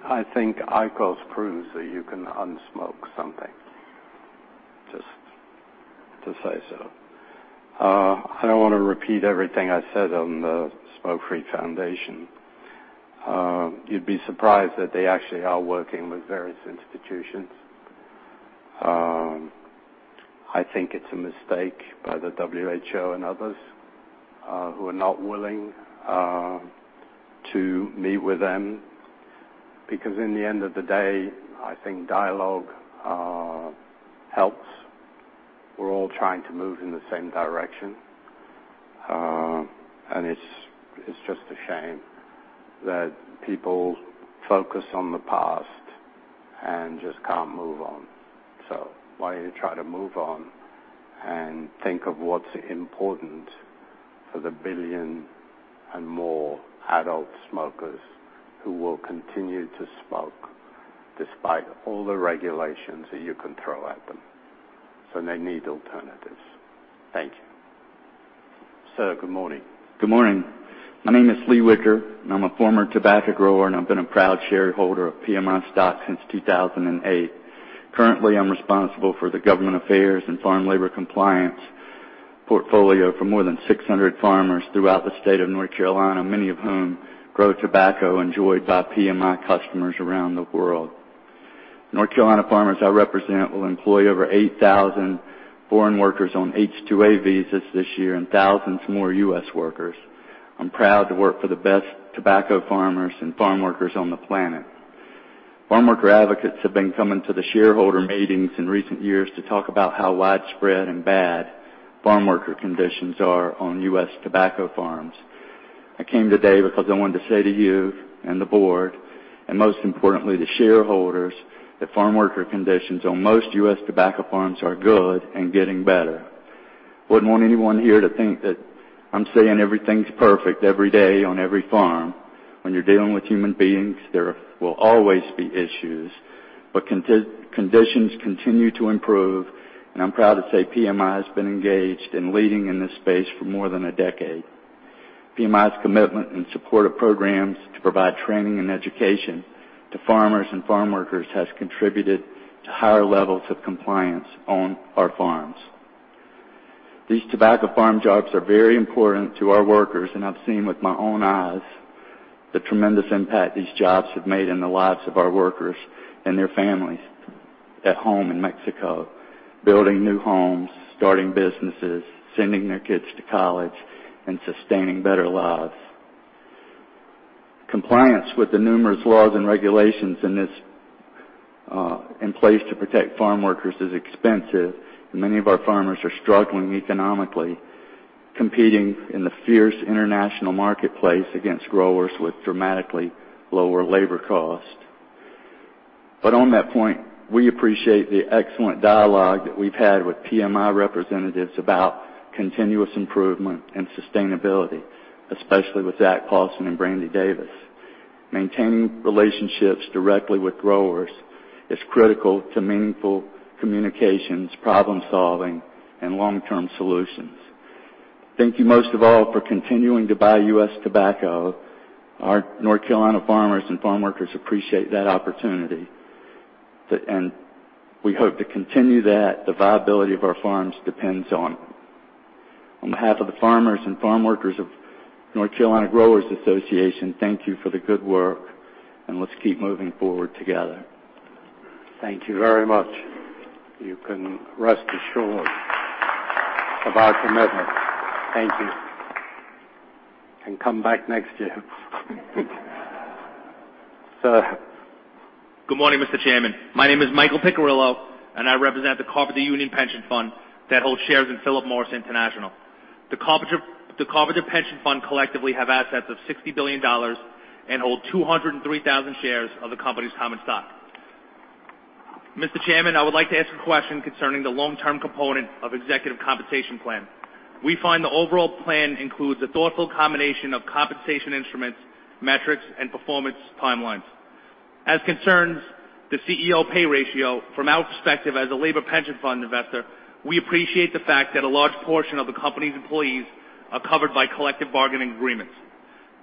I think IQOS proves that you can unsmoke something, just to say so. I don't want to repeat everything I said on the Smoke-Free Foundation. You'd be surprised that they actually are working with various institutions. I think it's a mistake by the WHO and others who are not willing to meet with them, because in the end of the day, I think dialogue helps. We're all trying to move in the same direction. It's just a shame that people focus on the past and just can't move on. Why don't you try to move on and think of what's important for the one billion and more adult smokers who will continue to smoke despite all the regulations that you can throw at them. They need alternatives. Thank you. Sir, good morning. Good morning. My name is Lee Wicker, and I'm a former tobacco grower, and I've been a proud shareholder of PMI stock since 2008. Currently, I'm responsible for the government affairs and farm labor compliance portfolio for more than 600 farmers throughout the state of North Carolina, many of whom grow tobacco enjoyed by PMI customers around the world. North Carolina farmers I represent will employ over 8,000 foreign workers on H-2A visas this year, and thousands more U.S. workers. I'm proud to work for the best tobacco farmers and farmworkers on the planet. Farmworker advocates have been coming to the shareholder meetings in recent years to talk about how widespread and bad farmworker conditions are on U.S. tobacco farms. I came today because I wanted to say to you and the board, and most importantly, the shareholders, that farmworker conditions on most U.S. tobacco farms are good and getting better. Wouldn't want anyone here to think that I'm saying everything's perfect every day on every farm. When you're dealing with human beings, there will always be issues, but conditions continue to improve, and I'm proud to say PMI has been engaged and leading in this space for more than a decade. PMI's commitment and support of programs to provide training and education to farmers and farmworkers has contributed to higher levels of compliance on our farms. These tobacco farm jobs are very important to our workers, and I've seen with my own eyes the tremendous impact these jobs have made in the lives of our workers and their families at home in Mexico, building new homes, starting businesses, sending their kids to college, and sustaining better lives. Compliance with the numerous laws and regulations in place to protect farmworkers is expensive, and many of our farmers are struggling economically, competing in the fierce international marketplace against growers with dramatically lower labor cost. On that point, we appreciate the excellent dialogue that we've had with PMI representatives about continuous improvement and sustainability, especially with Zachary Paulsen and Brandie Davis. Maintaining relationships directly with growers is critical to meaningful communications, problem-solving, and long-term solutions. Thank you most of all for continuing to buy U.S. tobacco. Our North Carolina farmers and farmworkers appreciate that opportunity. We hope to continue that. The viability of our farms depends on it. On behalf of the farmers and farmworkers of North Carolina Growers Association, thank you for the good work, and let's keep moving forward together. Thank you very much. You can rest assured of our commitment. Thank you. Come back next year. Sir. Good morning, Mr. Chairman. My name is Michael Piccirillo, and I represent the Carpenters Pension Fund that holds shares in Philip Morris International. The Carpenters Pension Fund collectively have assets of $60 billion and hold 203,000 shares of the company's common stock. Mr. Chairman, I would like to ask a question concerning the long-term component of executive compensation plan. We find the overall plan includes a thoughtful combination of compensation instruments, metrics, and performance timelines. As concerns the CEO pay ratio, from our perspective as a labor pension fund investor, we appreciate the fact that a large portion of the company's employees are covered by collective bargaining agreements.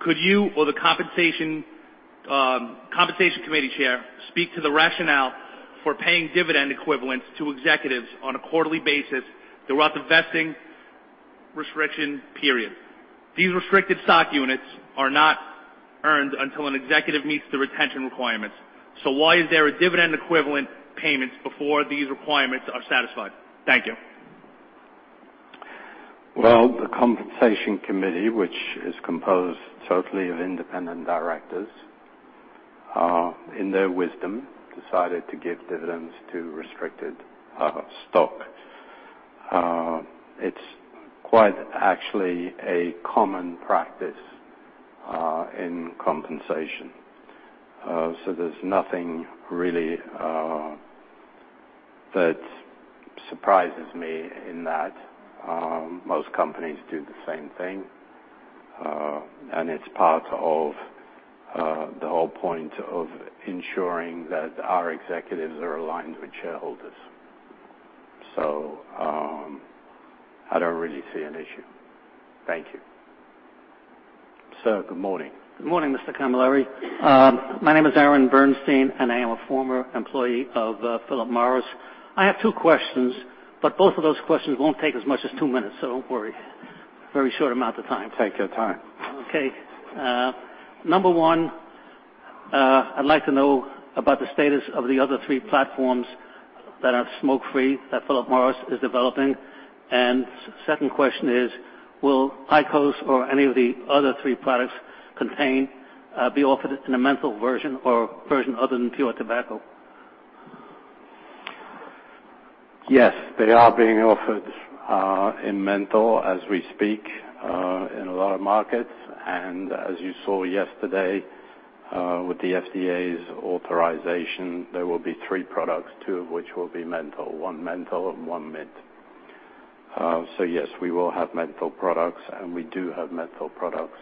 Could you or the compensation committee chair speak to the rationale for paying dividend equivalents to executives on a quarterly basis throughout the vesting restriction period? These restricted stock units are not earned until an executive meets the retention requirements. Why is there a dividend equivalent payments before these requirements are satisfied? Thank you. Well, the compensation committee, which is composed totally of independent directors, in their wisdom, decided to give dividends to restricted stock. It's quite actually a common practice in compensation. There's nothing really that surprises me in that. Most companies do the same thing, and it's part of the whole point of ensuring that our executives are aligned with shareholders. I don't really see an issue. Thank you. Sir, good morning. Good morning, Mr. Camilleri. My name is Aaron Bernstein. I am a former employee of Philip Morris. I have two questions. Both of those questions won't take as much as two minutes. Don't worry. Very short amount of time. Take your time. Okay. Number one, I'd like to know about the status of the other three platforms that are smoke-free that Philip Morris is developing. Second question is, will IQOS or any of the other three products contained be offered in a menthol version or a version other than pure tobacco? Yes, they are being offered in menthol as we speak, in a lot of markets. As you saw yesterday, with the FDA's authorization, there will be three products, two of which will be menthol, one menthol and one mint. Yes, we will have menthol products, and we do have menthol products,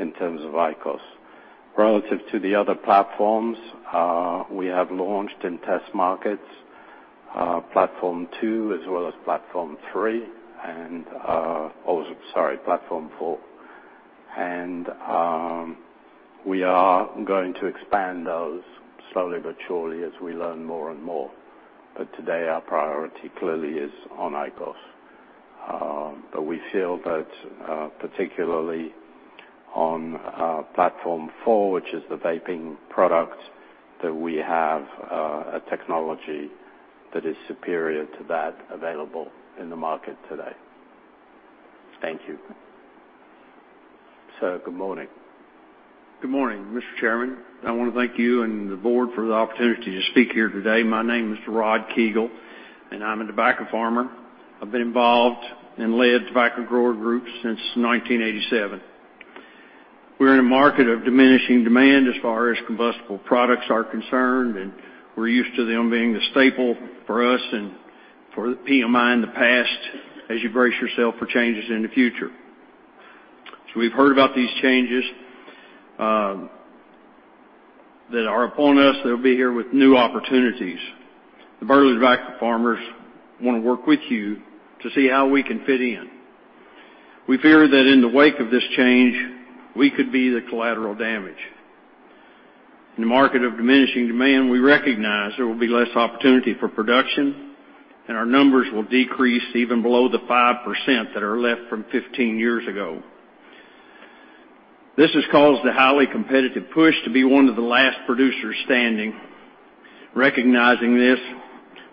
in terms of IQOS. Relative to the other platforms, we have launched in test markets, Platform 2 as well as Platform 3. Also, sorry, Platform 4. We are going to expand those slowly but surely as we learn more and more. Today, our priority clearly is on IQOS. We feel that, particularly on our Platform 4, which is the vaping product, that we have a technology that is superior to that available in the market today. Thank you. Sir, good morning. Good morning, Mr. Chairman. I want to thank you and the board for the opportunity to speak here today. My name is Rod Kuegel, and I'm a tobacco farmer. I've been involved and led tobacco grower groups since 1987. We're in a market of diminishing demand as far as combustible products are concerned, and we're used to them being the staple for us and for PMI in the past, as you brace yourself for changes in the future. We've heard about these changes that are upon us. They'll be here with new opportunities. The Burley tobacco farmers want to work with you to see how we can fit in. We fear that in the wake of this change, we could be the collateral damage. In a market of diminishing demand, we recognize there will be less opportunity for production, and our numbers will decrease even below the 5% that are left from 15 years ago. This has caused a highly competitive push to be one of the last producers standing. Recognizing this,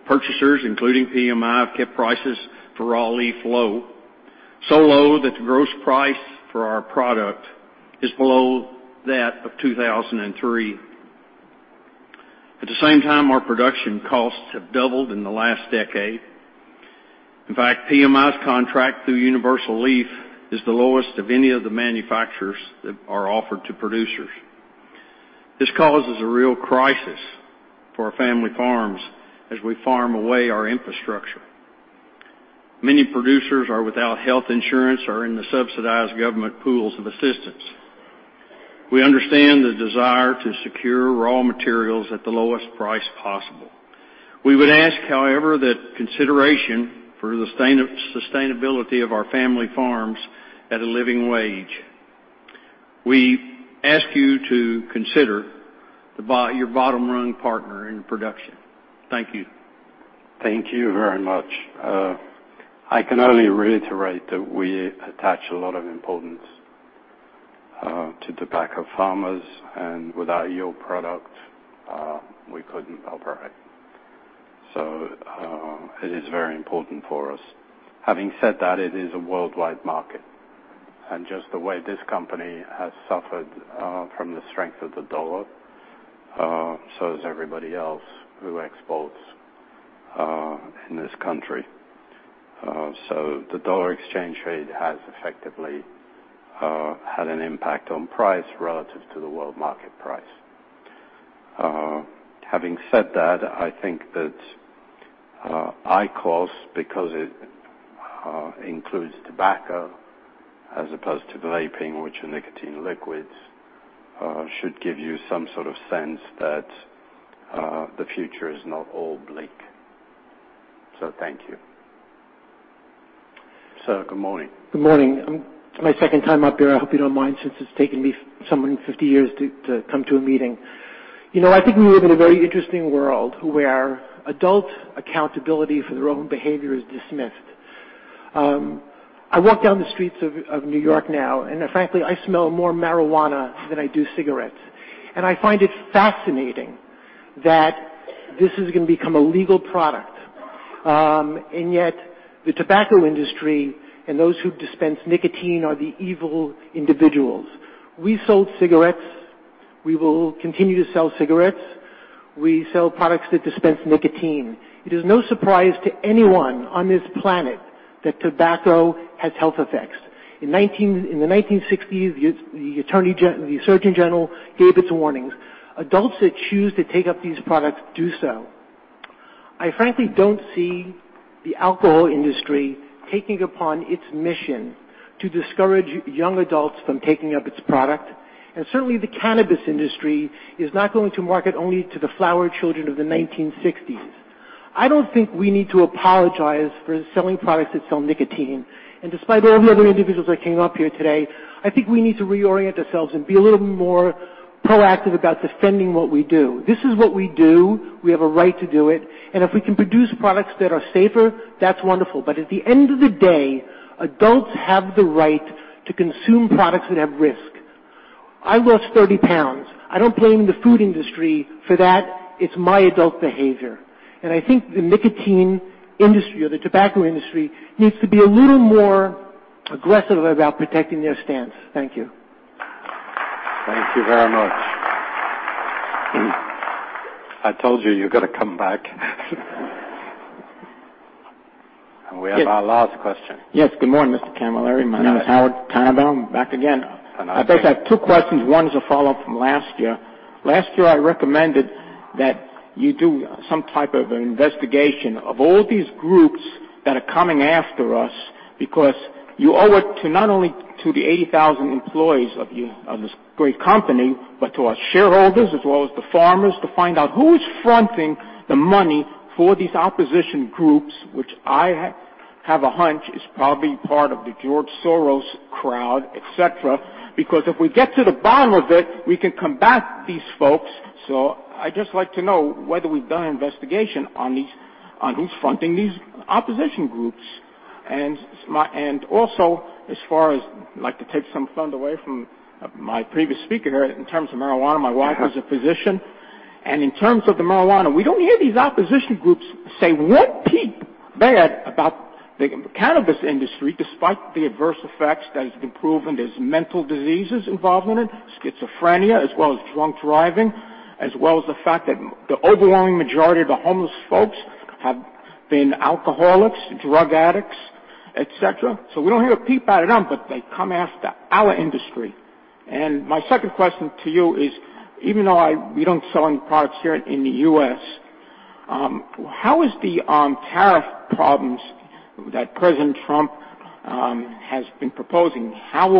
purchasers, including PMI, have kept prices for raw leaf low, so low that the gross price for our product is below that of 2003. At the same time, our production costs have doubled in the last decade. In fact, PMI's contract through Universal Leaf is the lowest of any of the manufacturers that are offered to producers. This causes a real crisis for our family farms as we farm away our infrastructure. Many producers are without health insurance or in the subsidized government pools of assistance. We understand the desire to secure raw materials at the lowest price possible. We would ask, however, that consideration for the sustainability of our family farms at a living wage. We ask you to consider your bottom-rung partner in production. Thank you. Thank you very much. I can only reiterate that we attach a lot of importance to tobacco farmers, and without your product, we couldn't operate. It is very important for us. Having said that, it is a worldwide market. Just the way this company has suffered from the strength of the dollar, so has everybody else who exports in this country. The dollar exchange rate has effectively had an impact on price relative to the world market price. Having said that, I think that IQOS, because it includes tobacco as opposed to vaping, which are nicotine liquids, should give you some sort of sense that the future is not all bleak. Thank you. Sir, good morning. Good morning. My second time up here. I hope you don't mind since it's taken me somewhat of 50 years to come to a meeting. I think we live in a very interesting world where adult accountability for their own behavior is dismissed. I walk down the streets of New York now, frankly, I smell more marijuana than I do cigarettes. I find it fascinating that this is going to become a legal product. Yet the tobacco industry and those who dispense nicotine are the evil individuals. We sold cigarettes. We will continue to sell cigarettes. We sell products that dispense nicotine. It is no surprise to anyone on this planet that tobacco has health effects. In the 1960s, the surgeon general gave its warnings. Adults that choose to take up these products do so. I frankly don't see the alcohol industry taking upon its mission to discourage young adults from taking up its product. Certainly, the cannabis industry is not going to market only to the flower children of the 1960s. I don't think we need to apologize for selling products that sell nicotine. Despite all the other individuals that came up here today, I think we need to reorient ourselves and be a little more proactive about defending what we do. This is what we do. We have a right to do it. If we can produce products that are safer, that's wonderful. At the end of the day, adults have the right to consume products that have risk. I lost 30 pounds. I don't blame the food industry for that. It's my adult behavior. I think the nicotine industry or the tobacco industry needs to be a little more aggressive about protecting their stance. Thank you. Thank you very much. I told you you're going to come back. We have our last question. Yes. Good morning, Mr. Camilleri. My name is Howard Tybell. I'm back again. And I think- I bet I have two questions. One is a follow-up from last year. Last year, I recommended that you do some type of an investigation of all these groups that are coming after us because you owe it to not only to the 80,000 employees of this great company, but to our shareholders, as well as the farmers, to find out who is fronting the money for these opposition groups, which I have a hunch is probably part of the George Soros crowd, et cetera. If we get to the bottom of it, we can combat these folks. I just like to know whether we've done an investigation on who's fronting these opposition groups. Also, as far as I'd like to take some thunder away from my previous speaker in terms of marijuana. My wife is a physician. In terms of the marijuana, we don't hear these opposition groups say one peep bad about the cannabis industry despite the adverse effects that has been proven. There's mental diseases involved in it, schizophrenia, as well as drunk driving, as well as the fact that the overwhelming majority of the homeless folks have been alcoholics, drug addicts, et cetera. We don't hear a peep out of them, but they come after our industry. My second question to you is, even though we don't sell any products here in the U.S., how is the tariff problems that President Trump has been proposing? Has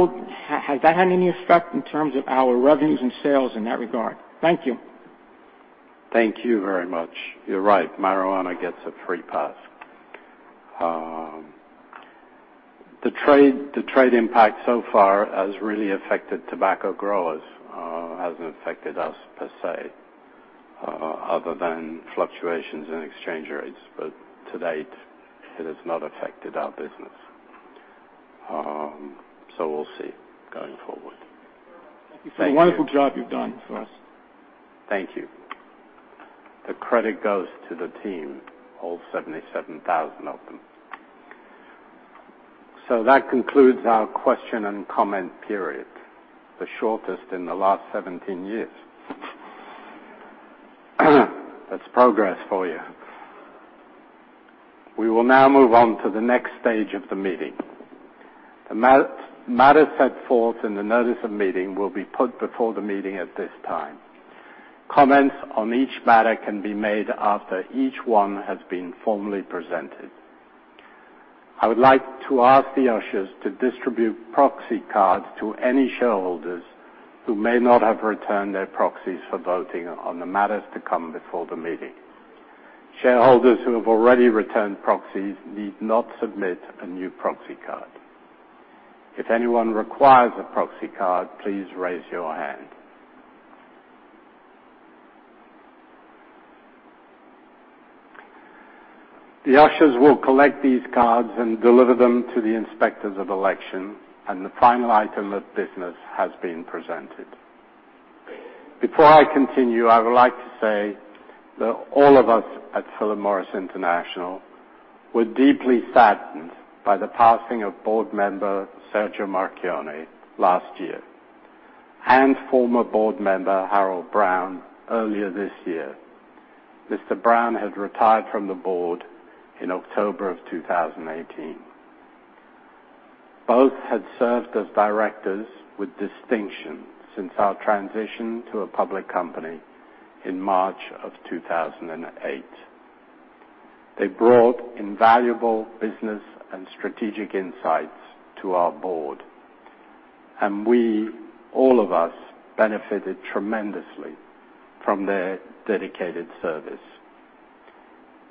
that had any effect in terms of our revenues and sales in that regard? Thank you. Thank you very much. You're right. Marijuana gets a free pass. The trade impact so far has really affected tobacco growers. Hasn't affected us per se, other than fluctuations in exchange rates. To date, it has not affected our business. We'll see going forward. Thank you. It's a wonderful job you've done for us. Thank you. The credit goes to the team, all 77,000 of them. That concludes our question and comment period, the shortest in the last 17 years. That's progress for you. We will now move on to the next stage of the meeting. The matters set forth in the notice of meeting will be put before the meeting at this time. Comments on each matter can be made after each one has been formally presented. I would like to ask the ushers to distribute proxy cards to any shareholders who may not have returned their proxies for voting on the matters to come before the meeting. Shareholders who have already returned proxies need not submit a new proxy card. If anyone requires a proxy card, please raise your hand. The ushers will collect these cards and deliver them to the inspectors of election. The final item of business has been presented. Before I continue, I would like to say that all of us at Philip Morris International were deeply saddened by the passing of board member Sergio Marchionne last year, and former board member Harold Brown earlier this year. Mr. Brown had retired from the board in October of 2018. Both had served as directors with distinction since our transition to a public company in March of 2008. They brought invaluable business and strategic insights to our board, and we, all of us, benefited tremendously from their dedicated service.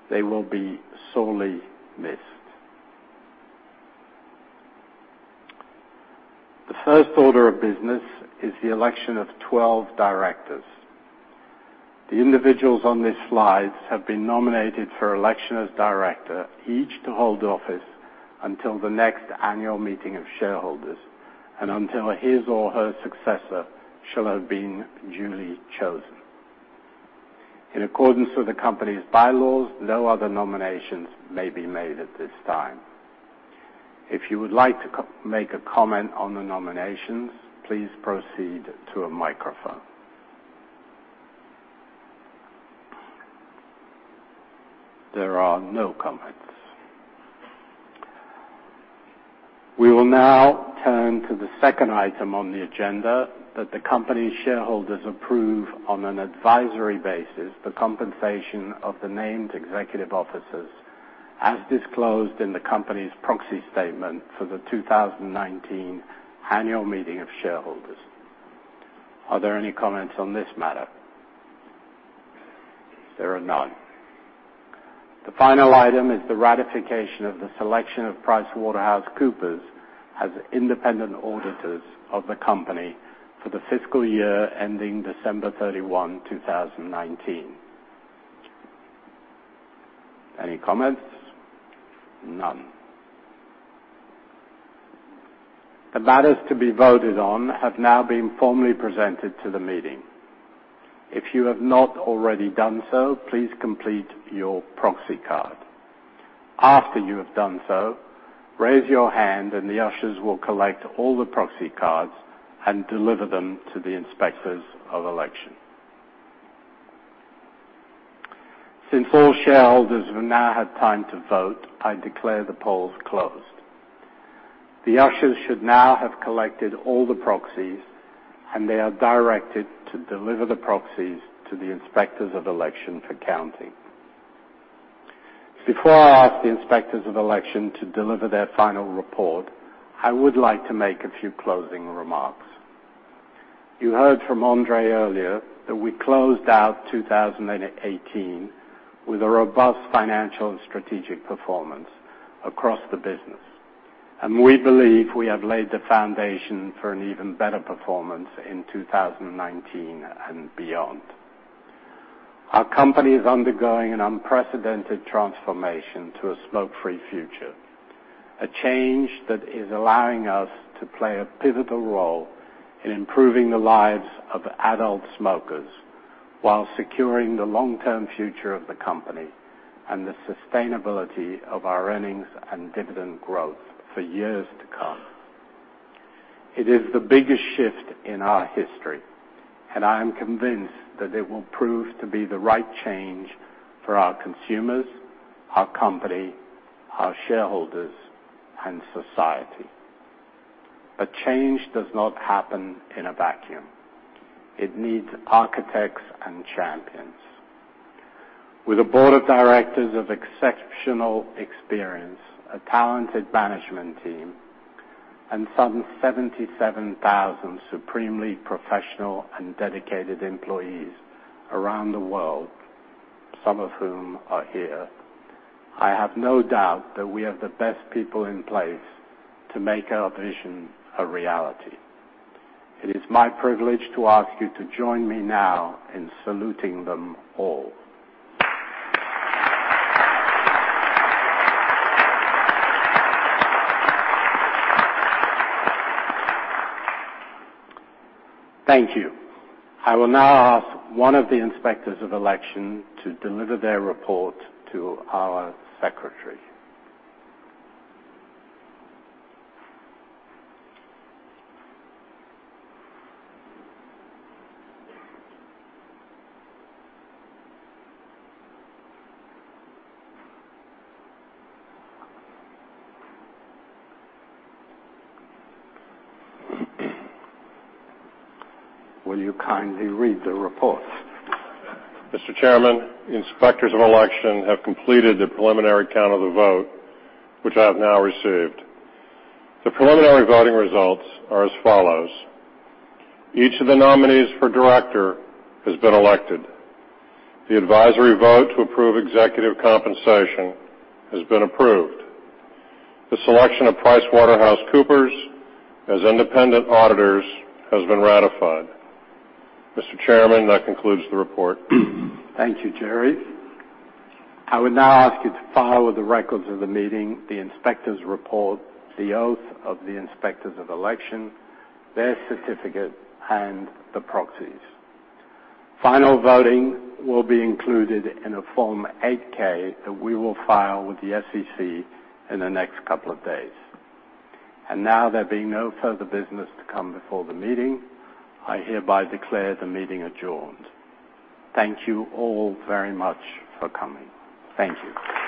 They will be sorely missed. The first order of business is the election of 12 directors. The individuals on this slide have been nominated for election as director, each to hold office until the next annual meeting of shareholders, and until his or her successor shall have been duly chosen. In accordance with the company's bylaws, no other nominations may be made at this time. If you would like to make a comment on the nominations, please proceed to a microphone. There are no comments. We will now turn to the second item on the agenda that the company shareholders approve on an advisory basis the compensation of the named executive officers as disclosed in the company's proxy statement for the 2019 annual meeting of shareholders. Are there any comments on this matter? There are none. The final item is the ratification of the selection of PricewaterhouseCoopers as independent auditors of the company for the fiscal year ending December 31, 2019. Any comments? None. The matters to be voted on have now been formally presented to the meeting. If you have not already done so, please complete your proxy card. After you have done so, raise your hand and the ushers will collect all the proxy cards and deliver them to the inspectors of election. Since all shareholders have now had time to vote, I declare the polls closed. The ushers should now have collected all the proxies, and they are directed to deliver the proxies to the inspectors of election for counting. Before I ask the inspectors of election to deliver their final report, I would like to make a few closing remarks. You heard from André earlier that we closed out 2018 with a robust financial and strategic performance across the business, and we believe we have laid the foundation for an even better performance in 2019 and beyond. Our company is undergoing an unprecedented transformation to a smoke-free future. A change that is allowing us to play a pivotal role in improving the lives of adult smokers, while securing the long-term future of the company and the sustainability of our earnings and dividend growth for years to come. It is the biggest shift in our history, and I am convinced that it will prove to be the right change for our consumers, our company, our shareholders, and society. A change does not happen in a vacuum. It needs architects and champions. With a board of directors of exceptional experience, a talented management team, and some 77,000 supremely professional and dedicated employees around the world, some of whom are here, I have no doubt that we have the best people in place to make our vision a reality. It is my privilege to ask you to join me now in saluting them all. Thank you. I will now ask one of the inspectors of election to deliver their report to our secretary. Will you kindly read the report? Mr. Chairman, inspectors of election have completed the preliminary count of the vote, which I have now received. The preliminary voting results are as follows. Each of the nominees for director has been elected. The advisory vote to approve executive compensation has been approved. The selection of PricewaterhouseCoopers as independent auditors has been ratified. Mr. Chairman, that concludes the report. Thank you, Jerry. I would now ask you to file with the records of the meeting, the inspector's report, the oath of the inspectors of election, their certificate, and the proxies. Final voting will be included in a Form 8-K that we will file with the SEC in the next couple of days. Now there being no further business to come before the meeting, I hereby declare the meeting adjourned. Thank you all very much for coming. Thank you.